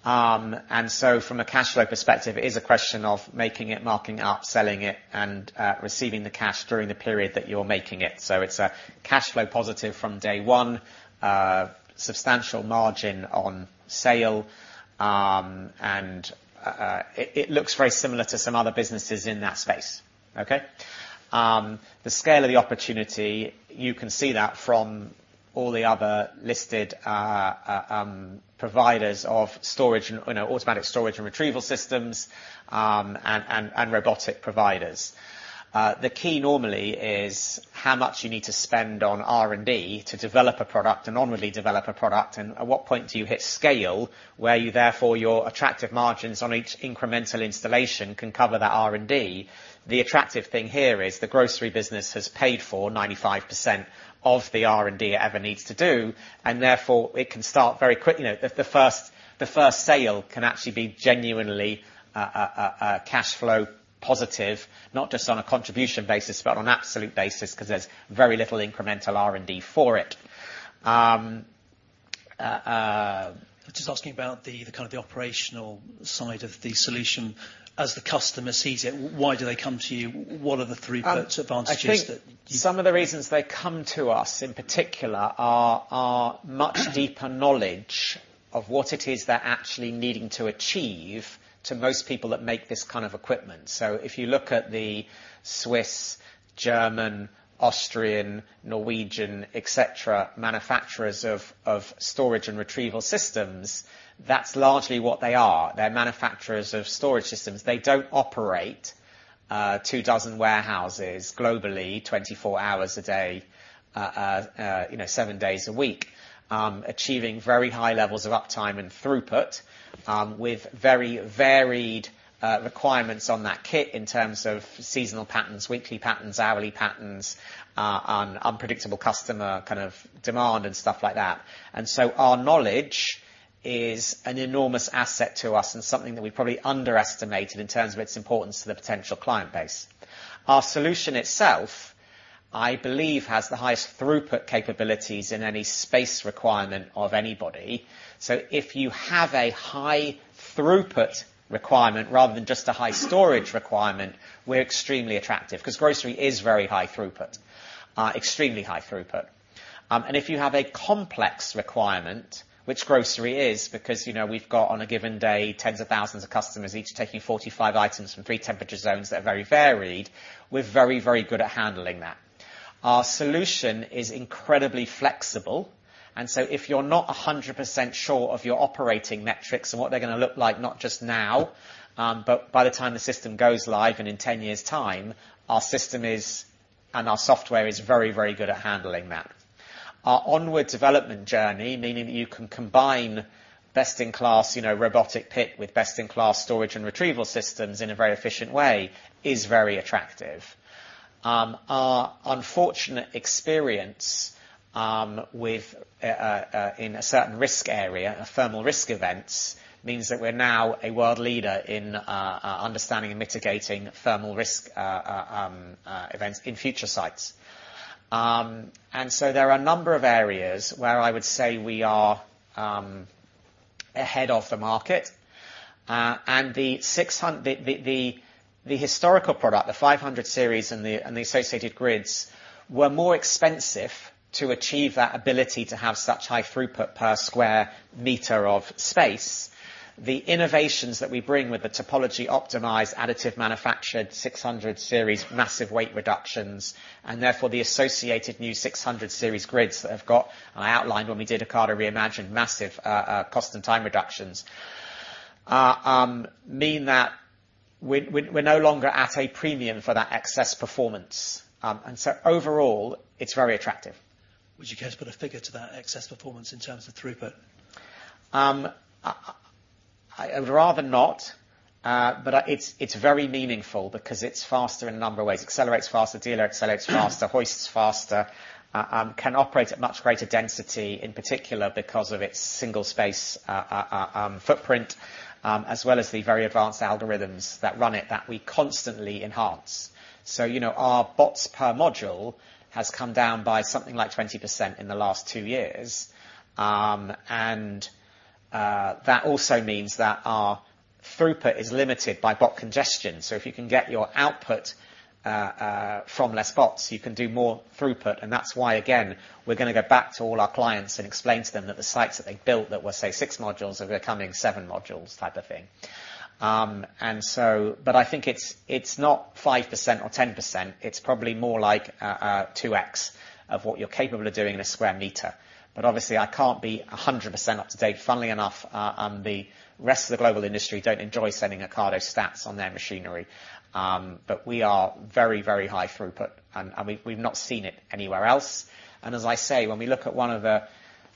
From a cash flow perspective, it is a question of making it, marking it up, selling it, and receiving the cash during the period that you're making it. It's a cash flow positive from day one, substantial margin on sale, and it looks very similar to some other businesses in that space. Okay? The scale of the opportunity, you can see that from all the other listed providers of storage and, you know, automatic storage and retrieval systems, and robotic providers. The key normally is how much you need to spend on R&D to develop a product and onwardly develop a product, and at what point do you hit scale, where you therefore, your attractive margins on each incremental installation can cover that R&D? The attractive thing here is the grocery business has paid for 95% of the R&D it ever needs to do. Therefore, it can start very quick. You know, the first sale can actually be genuinely a cash flow positive, not just on a contribution basis, but on absolute basis, 'cause there's very little incremental R&D for it. Just asking about the, kind of the operational side of the solution. As the customer sees it, why do they come to you? What are the throughput advantages? I think some of the reasons they come to us in particular are much deeper knowledge of what it is they're actually needing to achieve to most people that make this kind of equipment. If you look at the Swiss, German, Austrian, Norwegian, et cetera, manufacturers of storage and retrieval systems, that's largely what they are. They're manufacturers of storage systems. They don't operate two dozen warehouses globally, 24 hours a day, you know, 7 days a week, achieving very high levels of uptime and throughput, with very varied requirements on that kit in terms of seasonal patterns, weekly patterns, hourly patterns, and unpredictable customer kind of demand and stuff like that. Our knowledge is an enormous asset to us and something that we probably underestimated in terms of its importance to the potential client base. Our solution itself, I believe, has the highest throughput capabilities in any space requirement of anybody. If you have a high throughput requirement rather than just a high storage requirement, we're extremely attractive, 'cause grocery is very high throughput, extremely high throughput. If you have a complex requirement, which grocery is, because, you know, we've got, on a given day, tens of thousands of customers, each taking 45 items from three temperature zones that are very varied, we're very, very good at handling that. Our solution is incredibly flexible, if you're not 100% sure of your operating metrics and what they're going to look like, not just now, but by the time the system goes live and in 10 years' time, our system is, and our software is very, very good at handling that. Our onward development journey, meaning that you can combine best-in-class, you know, robotic pick with best-in-class storage and retrieval systems in a very efficient way, is very attractive. Our unfortunate experience with in a certain risk area, thermal risk events, means that we're now a world leader in understanding and mitigating thermal risk events in future sites. There are a number of areas where I would say we are ahead of the market. The historical product, the 500 Series, and the associated grids, were more expensive to achieve that ability to have such high throughput per square meter of space. The innovations that we bring with the topology-optimized, additive manufactured, 600 Series, massive weight reductions, and therefore the associated new 600 Series grids that have got, and I outlined when we did Ocado Re:Imagined, massive cost and time reductions mean that we're no longer at a premium for that excess performance. Overall, it's very attractive. Would you care to put a figure to that excess performance in terms of throughput? I would rather not, but it's very meaningful because it's faster in a number of ways. Accelerates faster, dealer accelerates faster, hoists faster, can operate at much greater density, in particular, because of its single space footprint, as well as the very advanced algorithms that run it, that we constantly enhance. You know, our bots per module has come down by something like 20% in the last two years. That also means that our throughput is limited by bot congestion. If you can get your output from less bots, you can do more throughput, and that's why, again, we're going to go back to all our clients and explain to them that the sites that they built, that were, say, six modules, are becoming seven modules type of thing. I think it's not 5% or 10%, it's probably more like 2x of what you're capable of doing in a square meter, but obviously I can't be 100% up-to-date. Funnily enough, the rest of the global industry don't enjoy sending Ocado stats on their machinery. We are very, very high throughput, and we've not seen it anywhere else. As I say, when we look at one of the,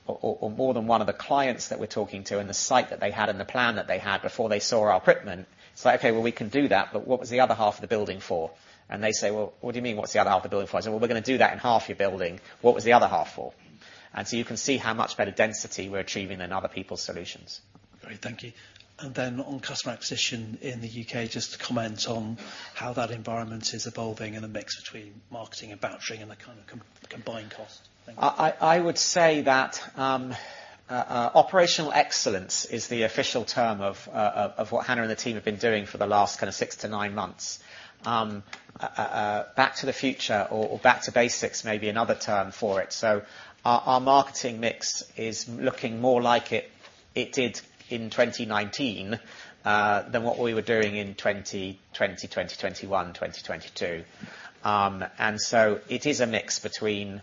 or more than one of the clients that we're talking to and the site that they had and the plan that they had before they saw our equipment, it's like: Okay, well, we can do that, but what was the other half of the building for? They say, "Well, what do you mean, what's the other half of the building for?" I say, "Well, we're going to do that in half your building. What was the other half for?" You can see how much better density we're achieving than other people's solutions. Great, thank you. Then on customer acquisition in the U.K., just to comment on how that environment is evolving and a mix between marketing and vouchering and the kind of combined cost. Thank you. I would say that operational excellence is the official term of what Hannah and the team have been doing for the last kind of six to nine months. Back to the future or back to basics may be another term for it. Our marketing mix is looking more like it did in 2019 than what we were doing in 2020, 2021, 2022. It is a mix between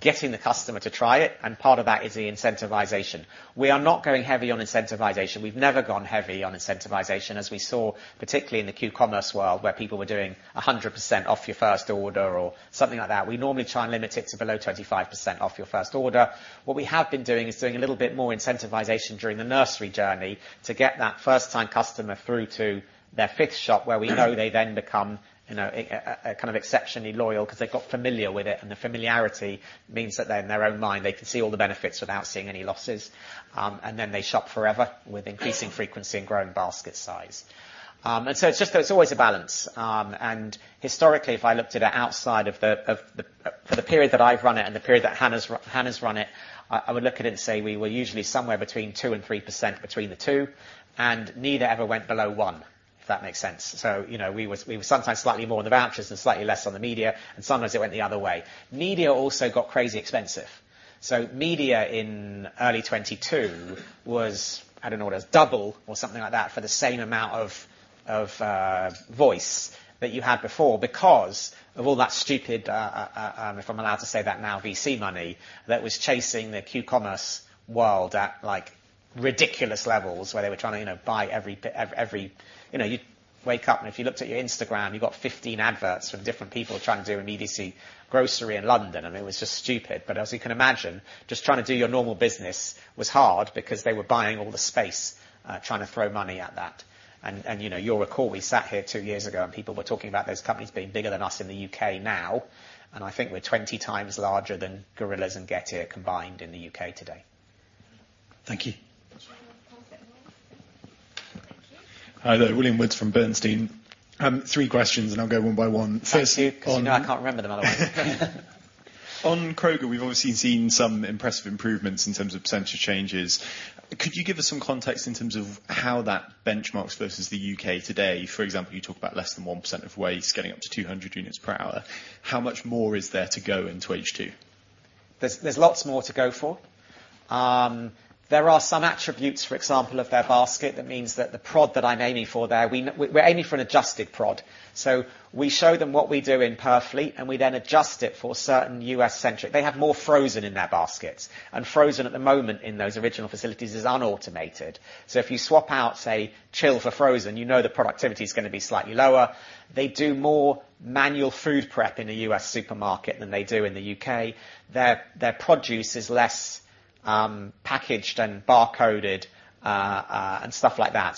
getting the customer to try it, and part of that is the incentivisation. We are not going heavy on incentivisation. We've never gone heavy on incentivisation, as we saw, particularly in the q-commerce world, where people were doing 100% off your first order or something like that. We normally try and limit it to below 25% off your first order. What we have been doing, is doing a little bit more incentivisation during the nursery journey to get that first-time customer through to their fifth shop, where we know they then become, you know, a kind of exceptionally loyal because they've got familiar with it, and the familiarity means that they, in their own mind, they can see all the benefits without seeing any losses. They shop forever with increasing frequency and growing basket size. It's just, there's always a balance. Historically, if I looked at it outside of the for the period that I've run it and the period that Hannah's run it, I would look at it and say we were usually somewhere between 2% and 3% between the two, and neither ever went below 1, if that makes sense. You know, we were sometimes slightly more on the vouchers and slightly less on the media. Sometimes it went the other way. Media also got crazy expensive. Media in early 2022 was, I don't know, it was double or something like that, for the same amount of voice that you had before, because of all that stupid, if I'm allowed to say that now, VC money, that was chasing the q-commerce world at, like, ridiculous levels, where they were trying to, you know, buy every... You know, you'd wake up, and if you looked at your Instagram, you got 15 adverts from different people trying to do an EDC grocery in London, and it was just stupid. As you can imagine, just trying to do your normal business was hard because they were buying all the space, trying to throw money at that. You know, you'll recall, we sat here two years ago, and people were talking about those companies being bigger than us in the UK now, and I think we're 20x larger than Gorillas and Getir combined in the UK today. Thank you. Thank you. Hi there. William Woods from Bernstein. Three questions, and I'll go one by one. First, Thank you, 'cause you know I can't remember them otherwise. On Kroger, we've obviously seen some impressive improvements in terms of percentage changes. Could you give us some context in terms of how that benchmarks versus the UK today? For example, you talk about less than 1% of waste, getting up to 200 units per hour. How much more is there to go into H2? There's lots more to go for. There are some attributes, for example, of their basket. That means that the prod that I'm aiming for there, we're aiming for an adjusted prod. We show them what we do in Purfleet, and we then adjust it for certain US-centric. They have more frozen in their baskets, and frozen at the moment in those original facilities is un-automated. If you swap out, say, chill for frozen, you know the productivity is going to be slightly lower. They do more manual food prep in a US supermarket than they do in the UK. Their produce is less packaged and barcoded, and stuff like that.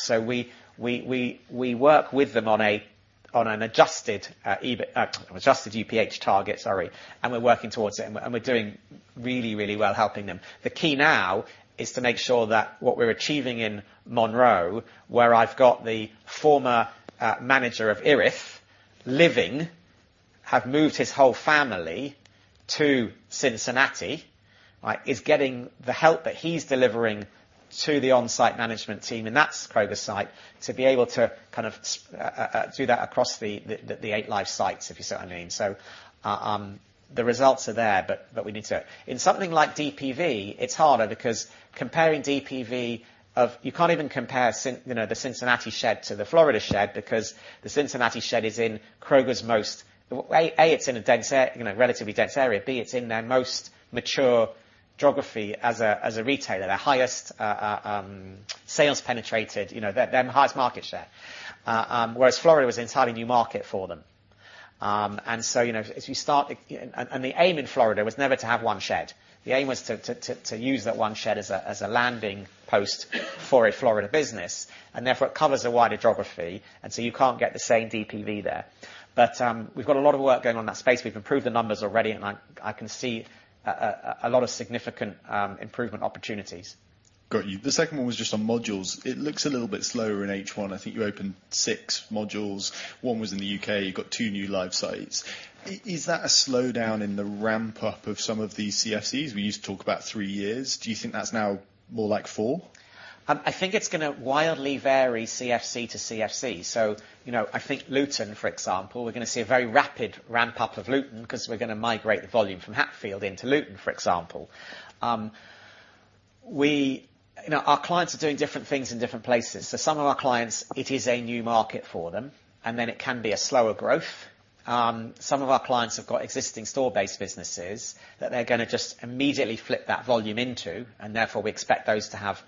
We work with them on an adjusted UPH target, sorry, and we're working towards it, and we're doing really, really well helping them. The key now is to make sure that what we're achieving in Monroe, where I've got the former manager of Erith living, have moved his whole family to Cincinnati, right? Is getting the help that he's delivering to the on-site management team, and that's Kroger's site, to be able to kind of do that across the eight live sites, if you see what I mean. The results are there, but we need to. In something like DPV, it's harder because comparing DPV of... You can't even compare Cin, you know, the Cincinnati shed to the Florida shed, because the Cincinnati shed is in Kroger's most A, it's in a dense area, you know, relatively dense area. B, it's in their most mature geography as a, as a retailer. Their highest sales penetrated, you know, their highest market share. Whereas Florida was an entirely new market for them. You know, as you start, the aim in Florida was never to have one shed. The aim was to use that one shed as a landing post for a Florida business, and therefore it covers a wider geography, and so you can't get the same DPV there. We've got a lot of work going on in that space. We've improved the numbers already, and I can see a lot of significant improvement opportunities. Got you. The second one was just on modules. It looks a little bit slower in H1. I think you opened six modules. One was in the UK, you got two new live sites. Is that a slowdown in the ramp-up of some of these CFCs? We used to talk about three years. Do you think that's now more like four? I think it's going to wildly vary CFC to CFC. You know, I think Luton, for example, we're going to see a very rapid ramp-up of Luton, 'cause we're going to migrate the volume from Hatfield into Luton, for example. You know, our clients are doing different things in different places. Some of our clients, it is a new market for them, and then it can be a slower growth. Some of our clients have got existing store-based businesses that they're going to just immediately flip that volume into, and therefore, we expect those to have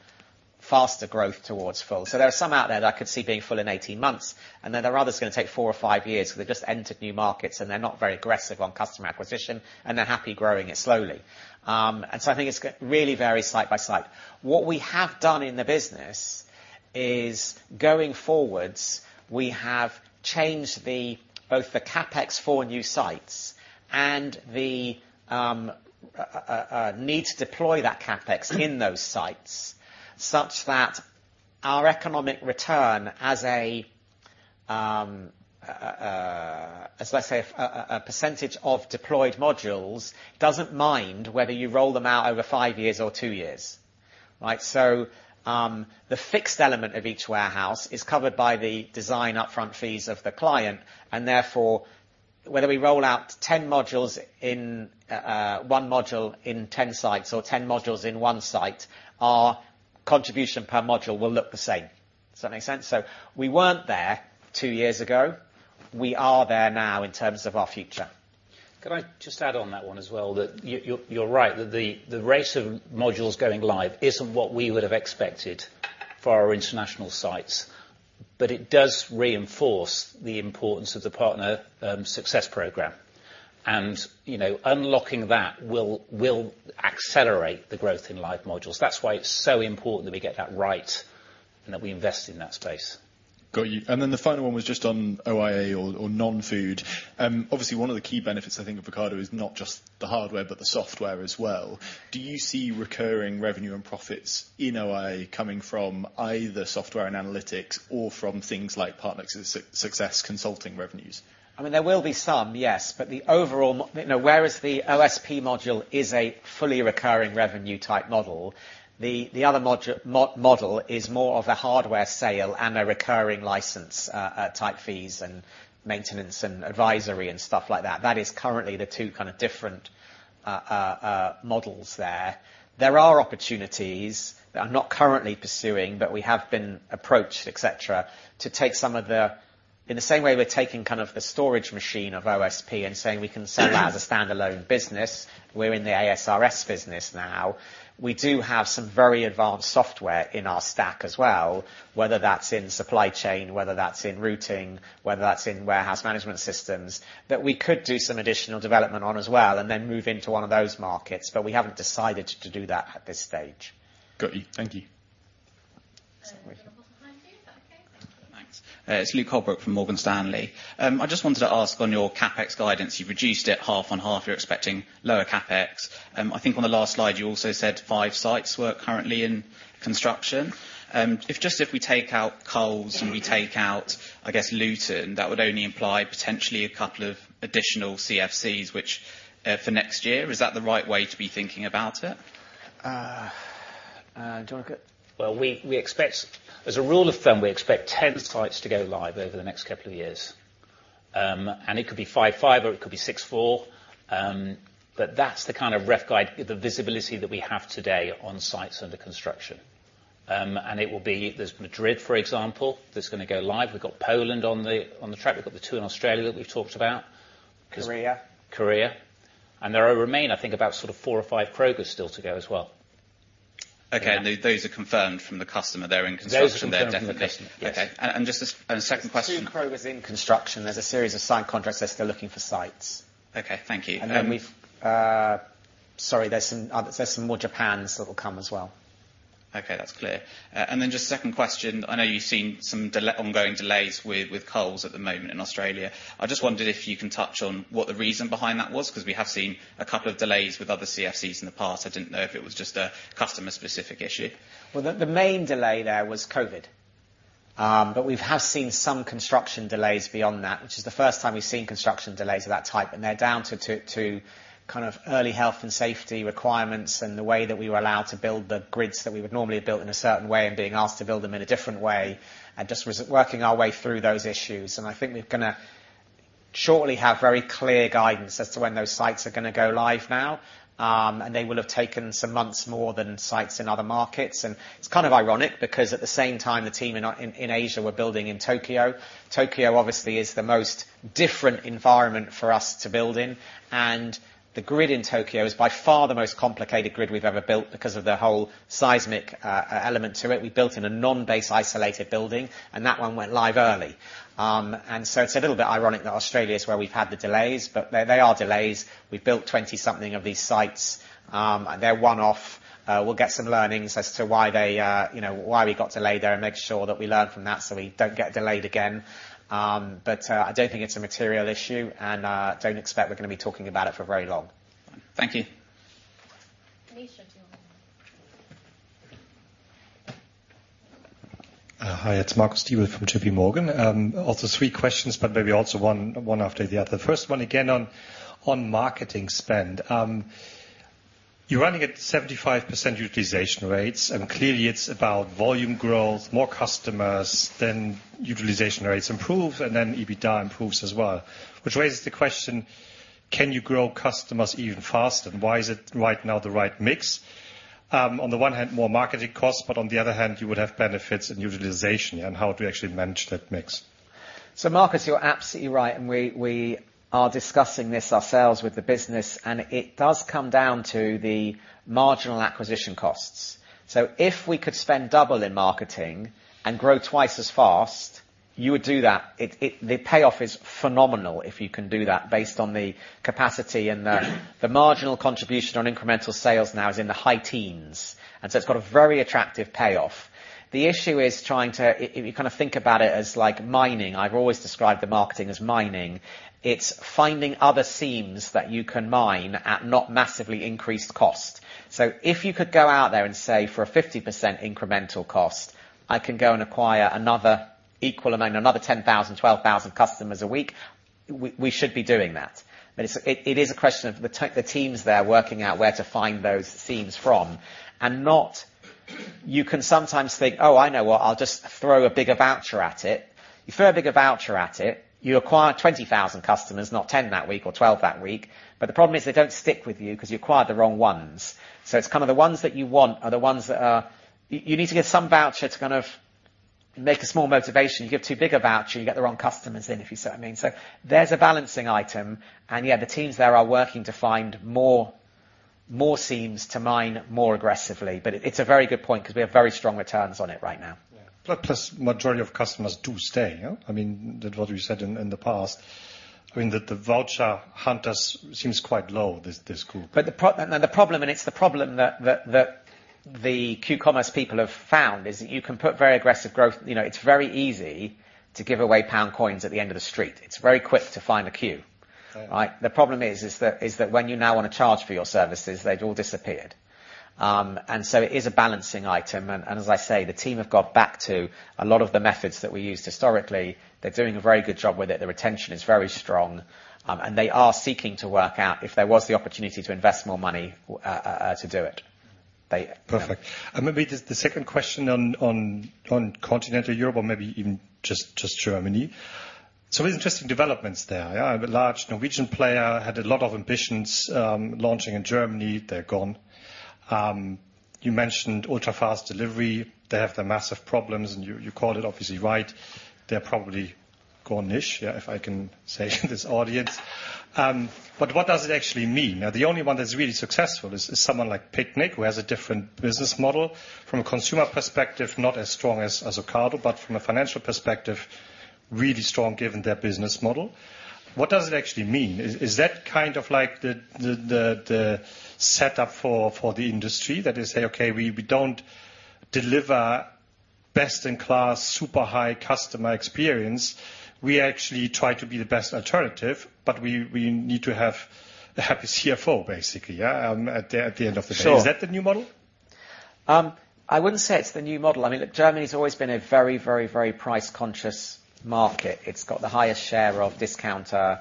faster growth towards full. There are some out there that I could see being full in 18 months, and then there are others going to take four or five years, because they've just entered new markets, and they're not very aggressive on customer acquisition, and they're happy growing it slowly. I think it's really vary site by site. What we have done in the business is, going forwards, we have changed the, both the CapEx for new sites and the need to deploy that CapEx in those sites, such that our economic return as a, as, let's say, a percentage of deployed modules, doesn't mind whether you roll them out over five years or two years. Right? The fixed element of each warehouse is covered by the design upfront fees of the client, and therefore, whether we roll out 10 modules in one module in 10 sites or 10 modules in one site, our contribution per module will look the same. Does that make sense? We weren't there two years ago. We are there now in terms of our future. Can I just add on that one as well, that you're right, that the rate of modules going live isn't what we would have expected for our international sites, but it does reinforce the importance of the Partner Success program. You know, unlocking that will accelerate the growth in live modules. That's why it's so important that we get that right, and that we invest in that space. Got you. The final one was just on OIA or non-food. Obviously, one of the key benefits, I think, of Ocado, is not just the hardware, but the software as well. Do you see recurring revenue and profits in OIA coming from either software and analytics or from things like Partner Success consulting revenues? I mean, there will be some, yes, but the overall You know, whereas the OSP module is a fully recurring revenue type model, the other model is more of a hardware sale and a recurring license type fees and maintenance and advisory and stuff like that. That is currently the two kind of different models there. There are opportunities that I'm not currently pursuing, but we have been approached, et cetera, to take some of the In the same way we're taking kind of the storage machine of OSP and saying, We can sell that as a standalone business, we're in the ASRS business now. We do have some very advanced software in our stack as well, whether that's in supply chain, whether that's in routing, whether that's in warehouse management systems, that we could do some additional development on as well, and then move into one of those markets. We haven't decided to do that at this stage. Got you. Thank you. We have time for you. Is that okay? Thank you. Thanks. It's Luke Holbrook from Morgan Stanley. I just wanted to ask on your CapEx guidance, you've reduced it half on half, you're expecting lower CapEx. I think on the last slide, you also said 5 sites were currently in construction. If just if we take out Coles and we take out, I guess, Luton, that would only imply potentially a couple of additional CFCs, which for next year. Is that the right way to be thinking about it? Do you want to go? Well, we expect as a rule of thumb, we expect 10 sites to go live over the next couple of years. It could be five, or it could be six, four, but that's the kind of ref guide, the visibility that we have today on sites under construction. It will be, there's Madrid, for example, that's going to go live. We've got Poland on the track. We've got the two in Australia that we've talked about. Korea. There are remain, I think, about sort of four or five Krogers still to go as well. Okay, those are confirmed from the customer, they're in construction. Those are confirmed from the customer, yes. Okay. second question? There's two Krogers in construction. There's a series of signed contracts, they're still looking for sites. Okay, thank you. We've... Sorry, there's some more Japans that will come as well. Okay, that's clear. Then just second question, I know you've seen some ongoing delays with Coles at the moment in Australia. I just wondered if you can touch on what the reason behind that was, 'cause we have seen a couple of delays with other CFCs in the past. I didn't know if it was just a customer-specific issue. Well, the main delay there was COVID. We have seen some construction delays beyond that, which is the first time we've seen construction delays of that type, and they're down to kind of early health and safety requirements, and the way that we were allowed to build the grids that we would normally have built in a certain way and being asked to build them in a different way, and just working our way through those issues. I think we're going to shortly have very clear guidance as to when those sites are going to go live now. They will have taken some months more than sites in other markets. It's kind of ironic because at the same time, the team in Asia were building in Tokyo. Tokyo obviously is the most different environment for us to build in, and the grid in Tokyo is by far the most complicated grid we've ever built because of the whole seismic element to it. We built in a non-base isolated building, and that one went live early. It's a little bit ironic that Australia is where we've had the delays, but they are delays. We've built 20 something of these sites, and they're one-off. We'll get some learnings as to why they, you know, why we got delayed there and make sure that we learn from that, so we don't get delayed again. I don't think it's a material issue. Don't expect we're going to be talking about it for very long. Thank you. Hi, it's Marcus Diebel from J.P. Morgan. Also three questions, but maybe also one after the other. First one, again, on marketing spend. You're running at 75% utilization rates, and clearly it's about volume growth, more customers, then utilization rates improve, and then EBITDA improves as well. Which raises the question, can you grow customers even faster, and why is it right now the right mix? On the one hand, more marketing costs, but on the other hand, you would have benefits and utilization, and how do we actually manage that mix? Marcus, you're absolutely right, and we are discussing this ourselves with the business, and it does come down to the marginal acquisition costs. If we could spend double in marketing and grow twice as fast, you would do that. It, the payoff is phenomenal if you can do that based on the capacity and the marginal contribution on incremental sales now is in the high teens, and so it's got a very attractive payoff. The issue is trying to. If you kind of think about it as like mining, I've always described the marketing as mining. It's finding other seams that you can mine at not massively increased cost. If you could go out there and say, for a 50% incremental cost, I can go and acquire another equal amount, another 10,000, 12,000 customers a week, we should be doing that. It is a question of the teams there working out where to find those seams from and not, you can sometimes think, "Oh, I know what, I'll just throw a bigger voucher at it." You throw a bigger voucher at it, you acquire 20,000 customers, not 10 that week or 12 that week, but the problem is they don't stick with you because you acquired the wrong ones. It's kind of the ones that you want are the ones that are. You need to get some voucher to kind of make a small motivation. You give too big a voucher, you get the wrong customers in, if you see what I mean. There's a balancing item, yeah, the teams there are working to find more seams to mine more aggressively. It's a very good point because we have very strong returns on it right now. Yeah. Plus, majority of customers do stay, yeah? I mean, that what you said in the past, I mean, that the voucher hunters seems quite low this group. The problem, and it's the problem that the q-commerce people have found, is that you can put very aggressive growth. You know, it's very easy to give away pound coins at the end of the street. It's very quick to find a queue. Right. Right? The problem is that when you now want to charge for your services, they've all disappeared. It is a balancing item, and as I say, the team have got back to a lot of the methods that we used historically. They're doing a very good job with it. The retention is very strong, and they are seeking to work out if there was the opportunity to invest more money to do it. Perfect. Maybe just the second question on, on continental Europe or maybe even just Germany. Some interesting developments there, yeah. A large Norwegian player had a lot of ambitions, launching in Germany. They're gone. You mentioned ultra-fast delivery. They have the massive problems, and you called it obviously right. They're probably gone-ish, yeah, if I can say in this audience. What does it actually mean? Now, the only one that's really successful is someone like Picnic, who has a different business model. From a consumer perspective, not as strong as Ocado, but from a financial perspective, really strong, given their business model. What does it actually mean? Is that kind of like the, the setup for the industry? That is, say, "Okay, we don't best in class, super high customer experience. We actually try to be the best alternative, but we need to have a happy CFO, basically, yeah, at the end of the day. Sure. Is that the new model? I wouldn't say it's the new model. I mean, look, Germany's always been a very, very, very price-conscious market. It's got the highest share of discounter,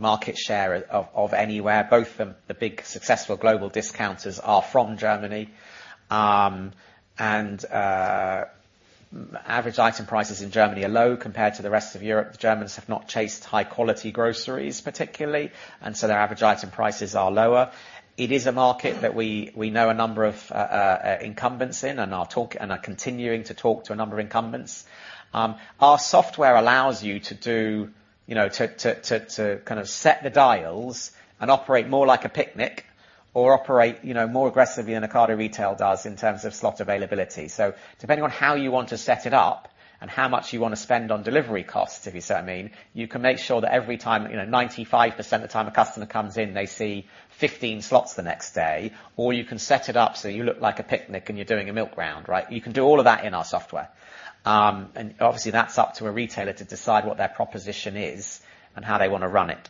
market share of anywhere, both the big, successful global discounters are from Germany. Average item prices in Germany are low compared to the rest of Europe. The Germans have not chased high quality groceries, particularly, and so their average item prices are lower. It is a market that we know a number of incumbents in, and are continuing to talk to a number of incumbents. Our software allows you to do, you know, to kind of set the dials and operate more like a Picnic or operate, you know, more aggressively than Ocado Retail does in terms of slot availability. Depending on how you want to set it up and how much you want to spend on delivery costs, if you see what I mean, you can make sure that every time, you know, 95% of the time a customer comes in, they see 15 slots the next day, or you can set it up so you look like a Picnic, and you're doing a milk round, right? You can do all of that in our software. Obviously, that's up to a retailer to decide what their proposition is and how they want to run it.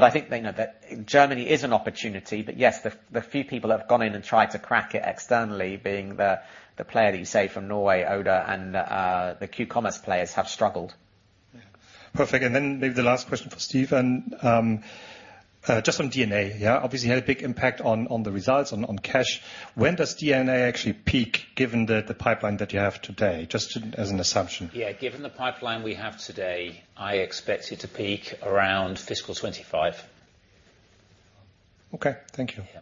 I think, you know, that Germany is an opportunity, but yes, the few people that have gone in and tried to crack it externally, being the player that you say from Norway, Oda, and the q-commerce players have struggled. Perfect. Then maybe the last question for Stephen, just on DNA. Obviously, had a big impact on the results, on cash. When does DNA actually peak, given the pipeline that you have today? Just as an assumption. Yeah, given the pipeline we have today, I expect it to peak around fiscal 2025. Okay, thank you. Yeah.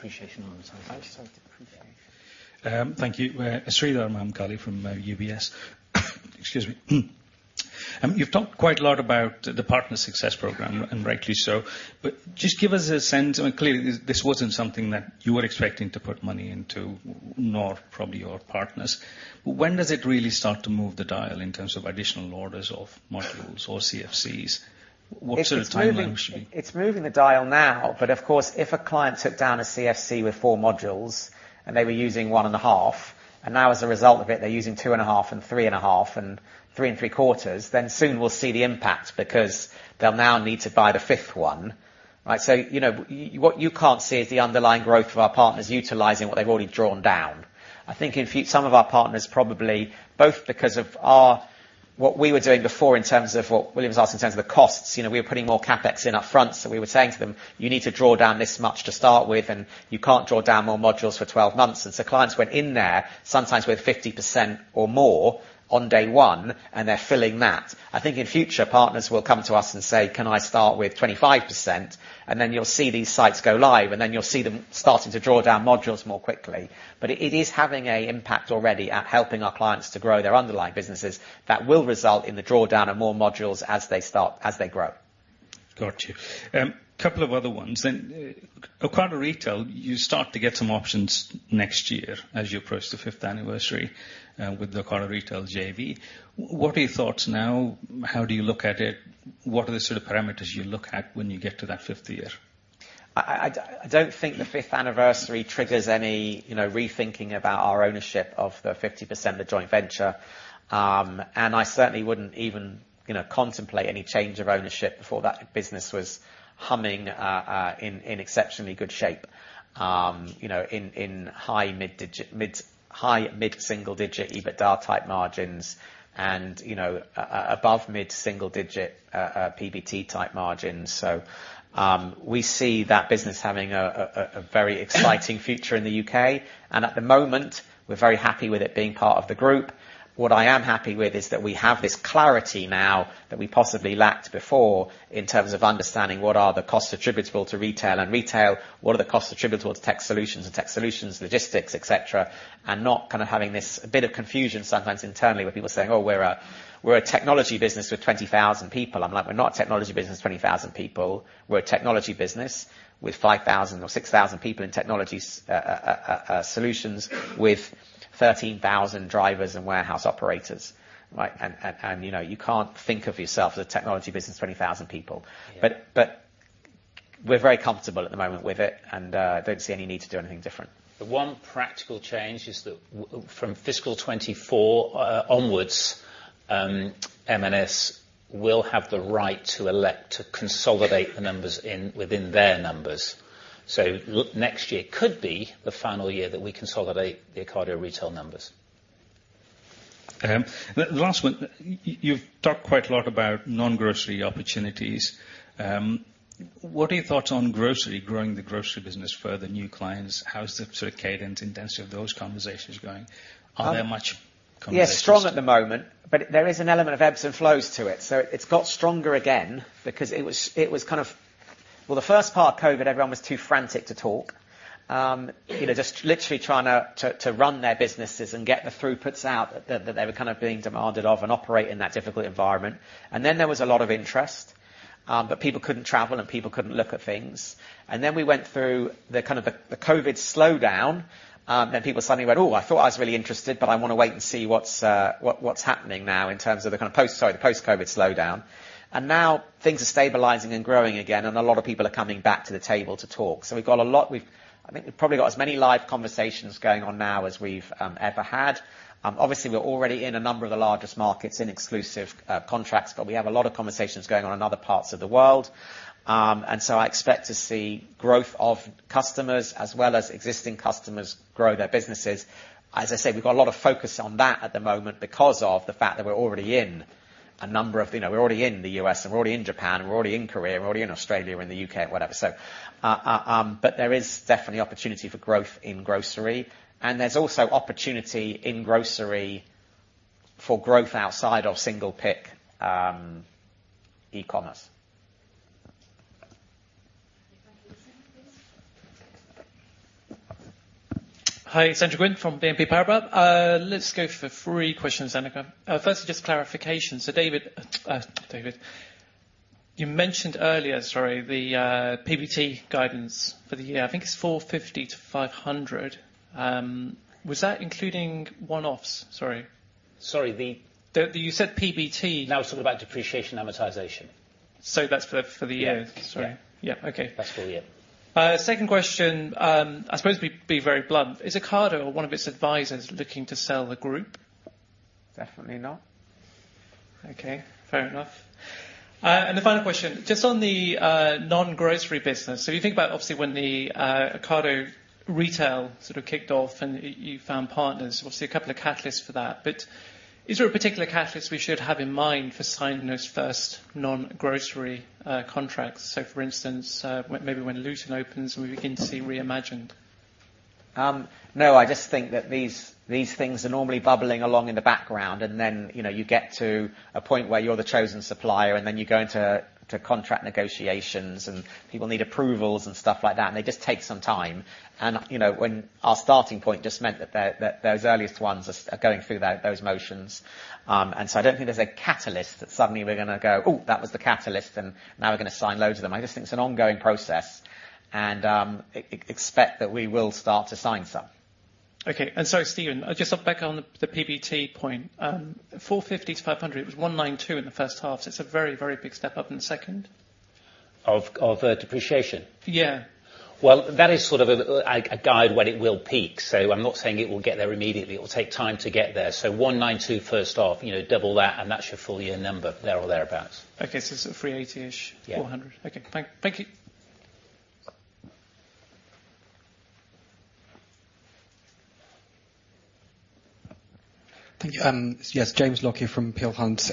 Appreciation on the time. Thank you. Sreedhar Mahamkali from UBS. Excuse me. You've talked quite a lot about the Partner Success program, and rightly so, but just give us a sense... I mean, clearly, this wasn't something that you were expecting to put money into, nor probably your partners. When does it really start to move the dial in terms of additional orders of modules or CFCs? What sort of time line should we- It's moving the dial now. Of course, if a client took down a CFC with four modules, and they were using one and a half, and now as a result of it, they're using two and a half and three and a half and three and three quarters, soon we'll see the impact because they'll now need to buy the fifth one, right? You know, what you can't see is the underlying growth of our partners utilising what they've already drawn down. I think in some of our partners, probably both because of our, what we were doing before in terms of what William was asking, in terms of the costs, you know, we were putting more CapEx in up front. We were saying to them, "You need to draw down this much to start with, and you can't draw down more modules for 12 months." Clients went in there, sometimes with 50% or more on day one, and they're filling that. I think in future, partners will come to us and say, "Can I start with 25%?" You'll see these sites go live, and then you'll see them starting to draw down modules more quickly. It is having a impact already at helping our clients to grow their underlying businesses. That will result in the drawdown of more modules as they start, as they grow. Got you. Couple of other ones. Ocado Retail, you start to get some options next year as you approach the fifth anniversary with the Ocado Retail JV. What are your thoughts now? How do you look at it? What are the sort of parameters you look at when you get to that fifth year? I don't think the fifth anniversary triggers any, you know, rethinking about our ownership of the 50% of the joint venture. I certainly wouldn't even, you know, contemplate any change of ownership before that business was humming in exceptionally good shape. You know, in high mid digit, high, mid-single digit, EBITDA-type margins, and, you know, above mid-single digit, PBT-type margins. We see that business having a very exciting future in the UK, and at the moment we're very happy with it being part of the group. What I am happy with is that we have this clarity now that we possibly lacked before in terms of understanding what are the costs attributable to Retail and Retail, what are the costs attributable to Technology Solutions and Technology Solutions, Logistics, et cetera, not kind of having this bit of confusion sometimes internally with people saying, "Oh, we're a, we're a technology business with 20,000 people." I'm like, "We're not a technology business, 20,000 people. We're a technology business with 5,000 or 6,000 people in technology solutions with 13,000 drivers and warehouse operators," right? you know, you can't think of yourself as a technology business, 20,000 people. Yeah. We're very comfortable at the moment with it, and I don't see any need to do anything different. The one practical change is that from fiscal 2024 onwards, M&S will have the right to elect to consolidate the numbers within their numbers. Next year could be the final year that we consolidate the Ocado Retail numbers. The last one. You've talked quite a lot about non-grocery opportunities. What are your thoughts on grocery, growing the grocery business further, new clients? How is the sort of cadence, intensity of those conversations going? Are there much conversations. Yeah, strong at the moment, but there is an element of ebbs and flows to it. It's got stronger again because it was kind of... The first part of COVID, everyone was too frantic to talk. you know, just literally trying to run their businesses and get the throughputs out that they were kind of being demanded of and operate in that difficult environment. There was a lot of interest, but people couldn't travel, and people couldn't look at things. We went through the kind of the COVID slowdown, then people suddenly went, "Oh, I thought I was really interested, but I want to wait and see what's happening now," in terms of the kind of post-COVID slowdown. Now things are stabilizing and growing again, and a lot of people are coming back to the table to talk. We've got a lot. I think we've probably got as many live conversations going on now as we've ever had. Obviously, we're already in a number of the largest markets in exclusive contracts, but we have a lot of conversations going on in other parts of the world. I expect to see growth of customers as well as existing customers grow their businesses. As I said, we've got a lot of focus on that at the moment because of the fact that we're already in a number of, you know, we're already in the U.S., and we're already in Japan, we're already in Korea, we're already in Australia, we're in the U.K., whatever. There is definitely opportunity for growth in grocery, and there's also opportunity in grocery for growth outside of single pick e-commerce. Hi, Andrew Gwynn from BNP Paribas. Let's go for three questions, Annika. Firstly, just clarification. David, you mentioned earlier, sorry, the PBT guidance for the year. I think it's 450-500. Was that including one-offs? Sorry. Sorry. The, you said PBT. We're talking about depreciation, amortization. That's for the year? Yeah. Sorry. Yeah. Yeah. Okay. That's for the year. Second question, I suppose to be very blunt, is Ocado or one of its advisors looking to sell the group? Definitely not. Okay, fair enough. The final question, just on the non-grocery business, you think about obviously when the Ocado Retail sort of kicked off, and you found partners, obviously a couple of catalysts for that. Is there a particular catalyst we should have in mind for signing those first non-grocery contracts? For instance, when maybe when Luton opens, and we begin to see reimagined. No, I just think that these things are normally bubbling along in the background, and then, you know, you get to a point where you're the chosen supplier, and then you go into to contract negotiations, and people need approvals and stuff like that, and they just take some time. You know, when our starting point just meant that the those earliest ones are going through those motions. So I don't think there's a catalyst that suddenly we're going to go, "Oh, that was the catalyst, and now we're going to sign loads of them." I just think it's an ongoing process and expect that we will start to sign some. Okay. Sorry, Stephen, just back on the PBT point, 450-500 million, it was 192 million in the H1, it's a very, very big step up in the second. Of depreciation? Yeah. That is sort of a guide when it will peak. I'm not saying it will get there immediately. It will take time to get there. 192 H1, you know, double that, and that's your full year number, there or thereabout. Okay. It's a 380-ish. Yeah. 400. Okay. Thank you. Thank you. Yes, James Lockyer from Peel Hunt.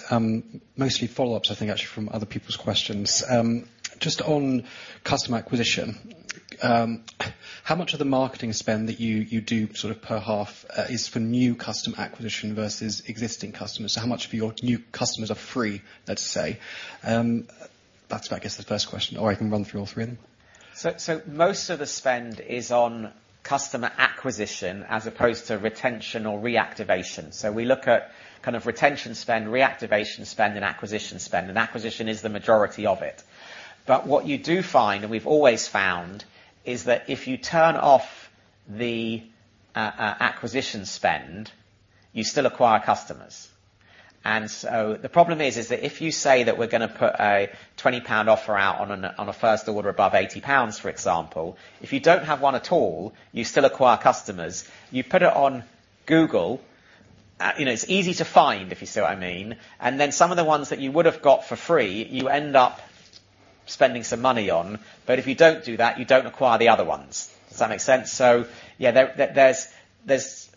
Mostly follow-ups, I think, actually, from other people's questions. Just on customer acquisition, how much of the marketing spend that you do sort of per half, is for new customer acquisition versus existing customers? How much of your new customers are free, let's say? That's, I guess, the first question, or I can run through all three of them. Most of the spend is on customer acquisition as opposed to retention or reactivation. We look at kind of retention spend, reactivation spend, and acquisition spend, and acquisition is the majority of it. What you do find, and we've always found, is that if you turn off the acquisition spend, you still acquire customers. The problem is that if you say that we're going to put a 20 pound offer out on a, on a first order above 80 pounds, for example, if you don't have one at all, you still acquire customers. You put it on Google, you know, it's easy to find, if you see what I mean, and then some of the ones that you would have got for free, you end up spending some money on. If you don't do that, you don't acquire the other ones. Does that make sense? Yeah, there's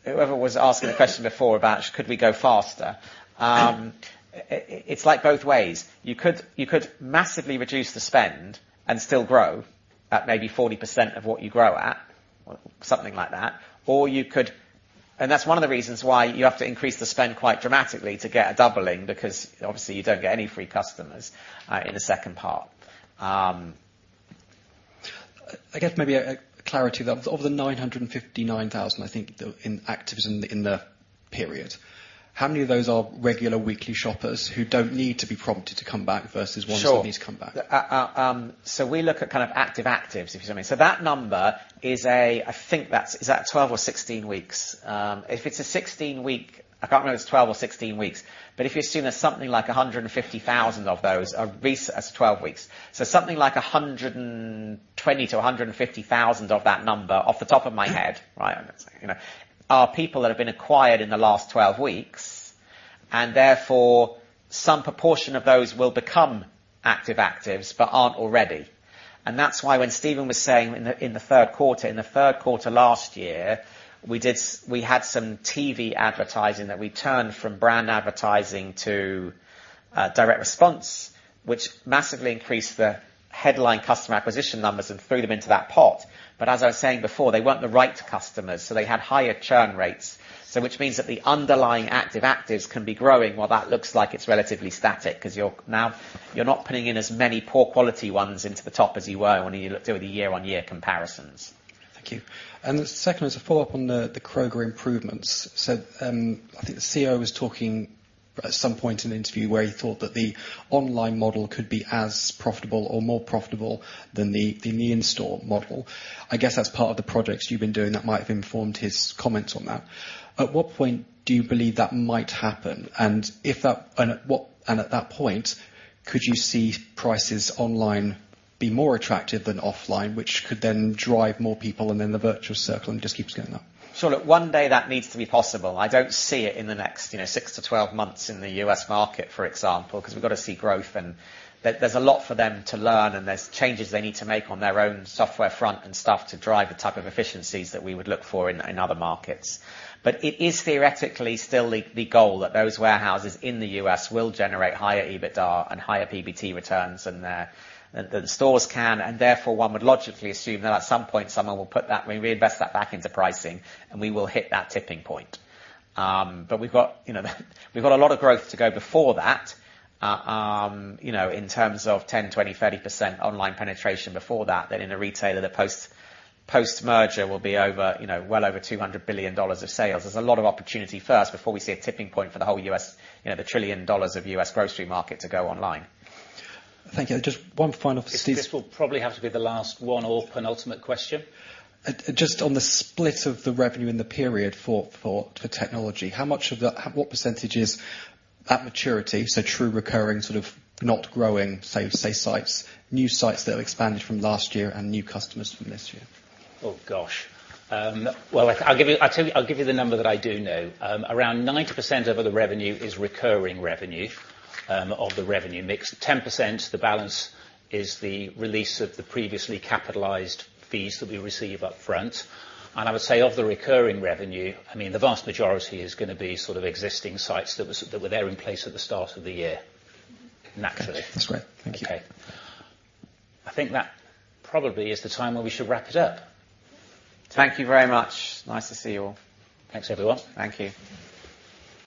Whoever was asking the question before about could we go faster, it's like both ways. You could, you could massively reduce the spend and still grow at maybe 40% of what you grow at, or something like that. That's one of the reasons why you have to increase the spend quite dramatically to get a doubling, because obviously, you don't get any free customers, in the second part. I guess maybe a clarity, though. Of the 959,000, I think, the inactives in the period, how many of those are regular weekly shoppers who don't need to be prompted to come back versus? Sure. Who need to come back? We look at kind of active actives, if you see what I mean. That number is, I think that's, is that 12 or 16 weeks? If it's a 16-week, I can't remember if it's 12 or 16 weeks, but if you're seeing as something like 150,000 of those, are recent as 12 weeks. Something like 120,000 to 150,000 of that number, off the top of my head, right? You know, are people that have been acquired in the last 12 weeks, and therefore, some proportion of those will become active actives but aren't already. That's why when Stephen was saying in the Q3 last year, we had some TV advertising that we turned from brand advertising to direct response, which massively increased the headline customer acquisition numbers and threw them into that pot. As I was saying before, they weren't the right customers, so they had higher churn rates. Which means that the underlying active actives can be growing while that looks like it's relatively static, 'cause you're, now, you're not putting in as many poor quality ones into the top as you were when you look at the year-on-year comparisons.... Thank you. The second is a follow-up on the Kroger improvements. I think the CEO was talking at some point in an interview where he thought that the online model could be as profitable or more profitable than the in-store model. I guess that's part of the projects you've been doing that might have informed his comments on that. At what point do you believe that might happen? If that, at that point, could you see prices online be more attractive than offline, which could then drive more people and then the virtuous circle and just keeps going up? Look, one day that needs to be possible. I don't see it in the next, you know, 6-12 months in the U.S. market, for example, 'cause we've got to see growth, and there's a lot for them to learn, and there's changes they need to make on their own software front and stuff to drive the type of efficiencies that we would look for in other markets. It is theoretically still the goal that those warehouses in the U.S. will generate higher EBITDA and higher PBT returns than their stores can, and therefore one would logically assume that at some point, someone will put that, maybe reinvest that back into pricing, and we will hit that tipping point. We've got, you know, we've got a lot of growth to go before that. you know, in terms of 10%, 20%, 30% online penetration before that, than in a retailer that post-merger will be over, you know, well over $200 billion of sales. There's a lot of opportunity first before we see a tipping point for the whole U.S., you know, the $1 trillion of U.S. grocery market to go online. Thank you. Just one final piece. This will probably have to be the last one or penultimate question. Just on the split of the revenue in the period for technology, what % is at maturity, so true recurring, sort of not growing, say, sites, new sites that have expanded from last year and new customers from this year? Oh, gosh. Well, I'll give you the number that I do know. Around 90% of the revenue is recurring revenue of the revenue mix. 10%, the balance, is the release of the previously capitalized fees that we receive upfront. I would say, of the recurring revenue, I mean, the vast majority is going to be sort of existing sites that were there in place at the start of the year, naturally. That's great. Thank you. Okay. I think that probably is the time where we should wrap it up. Thank you very much. Nice to see you all. Thanks, everyone. Thank you.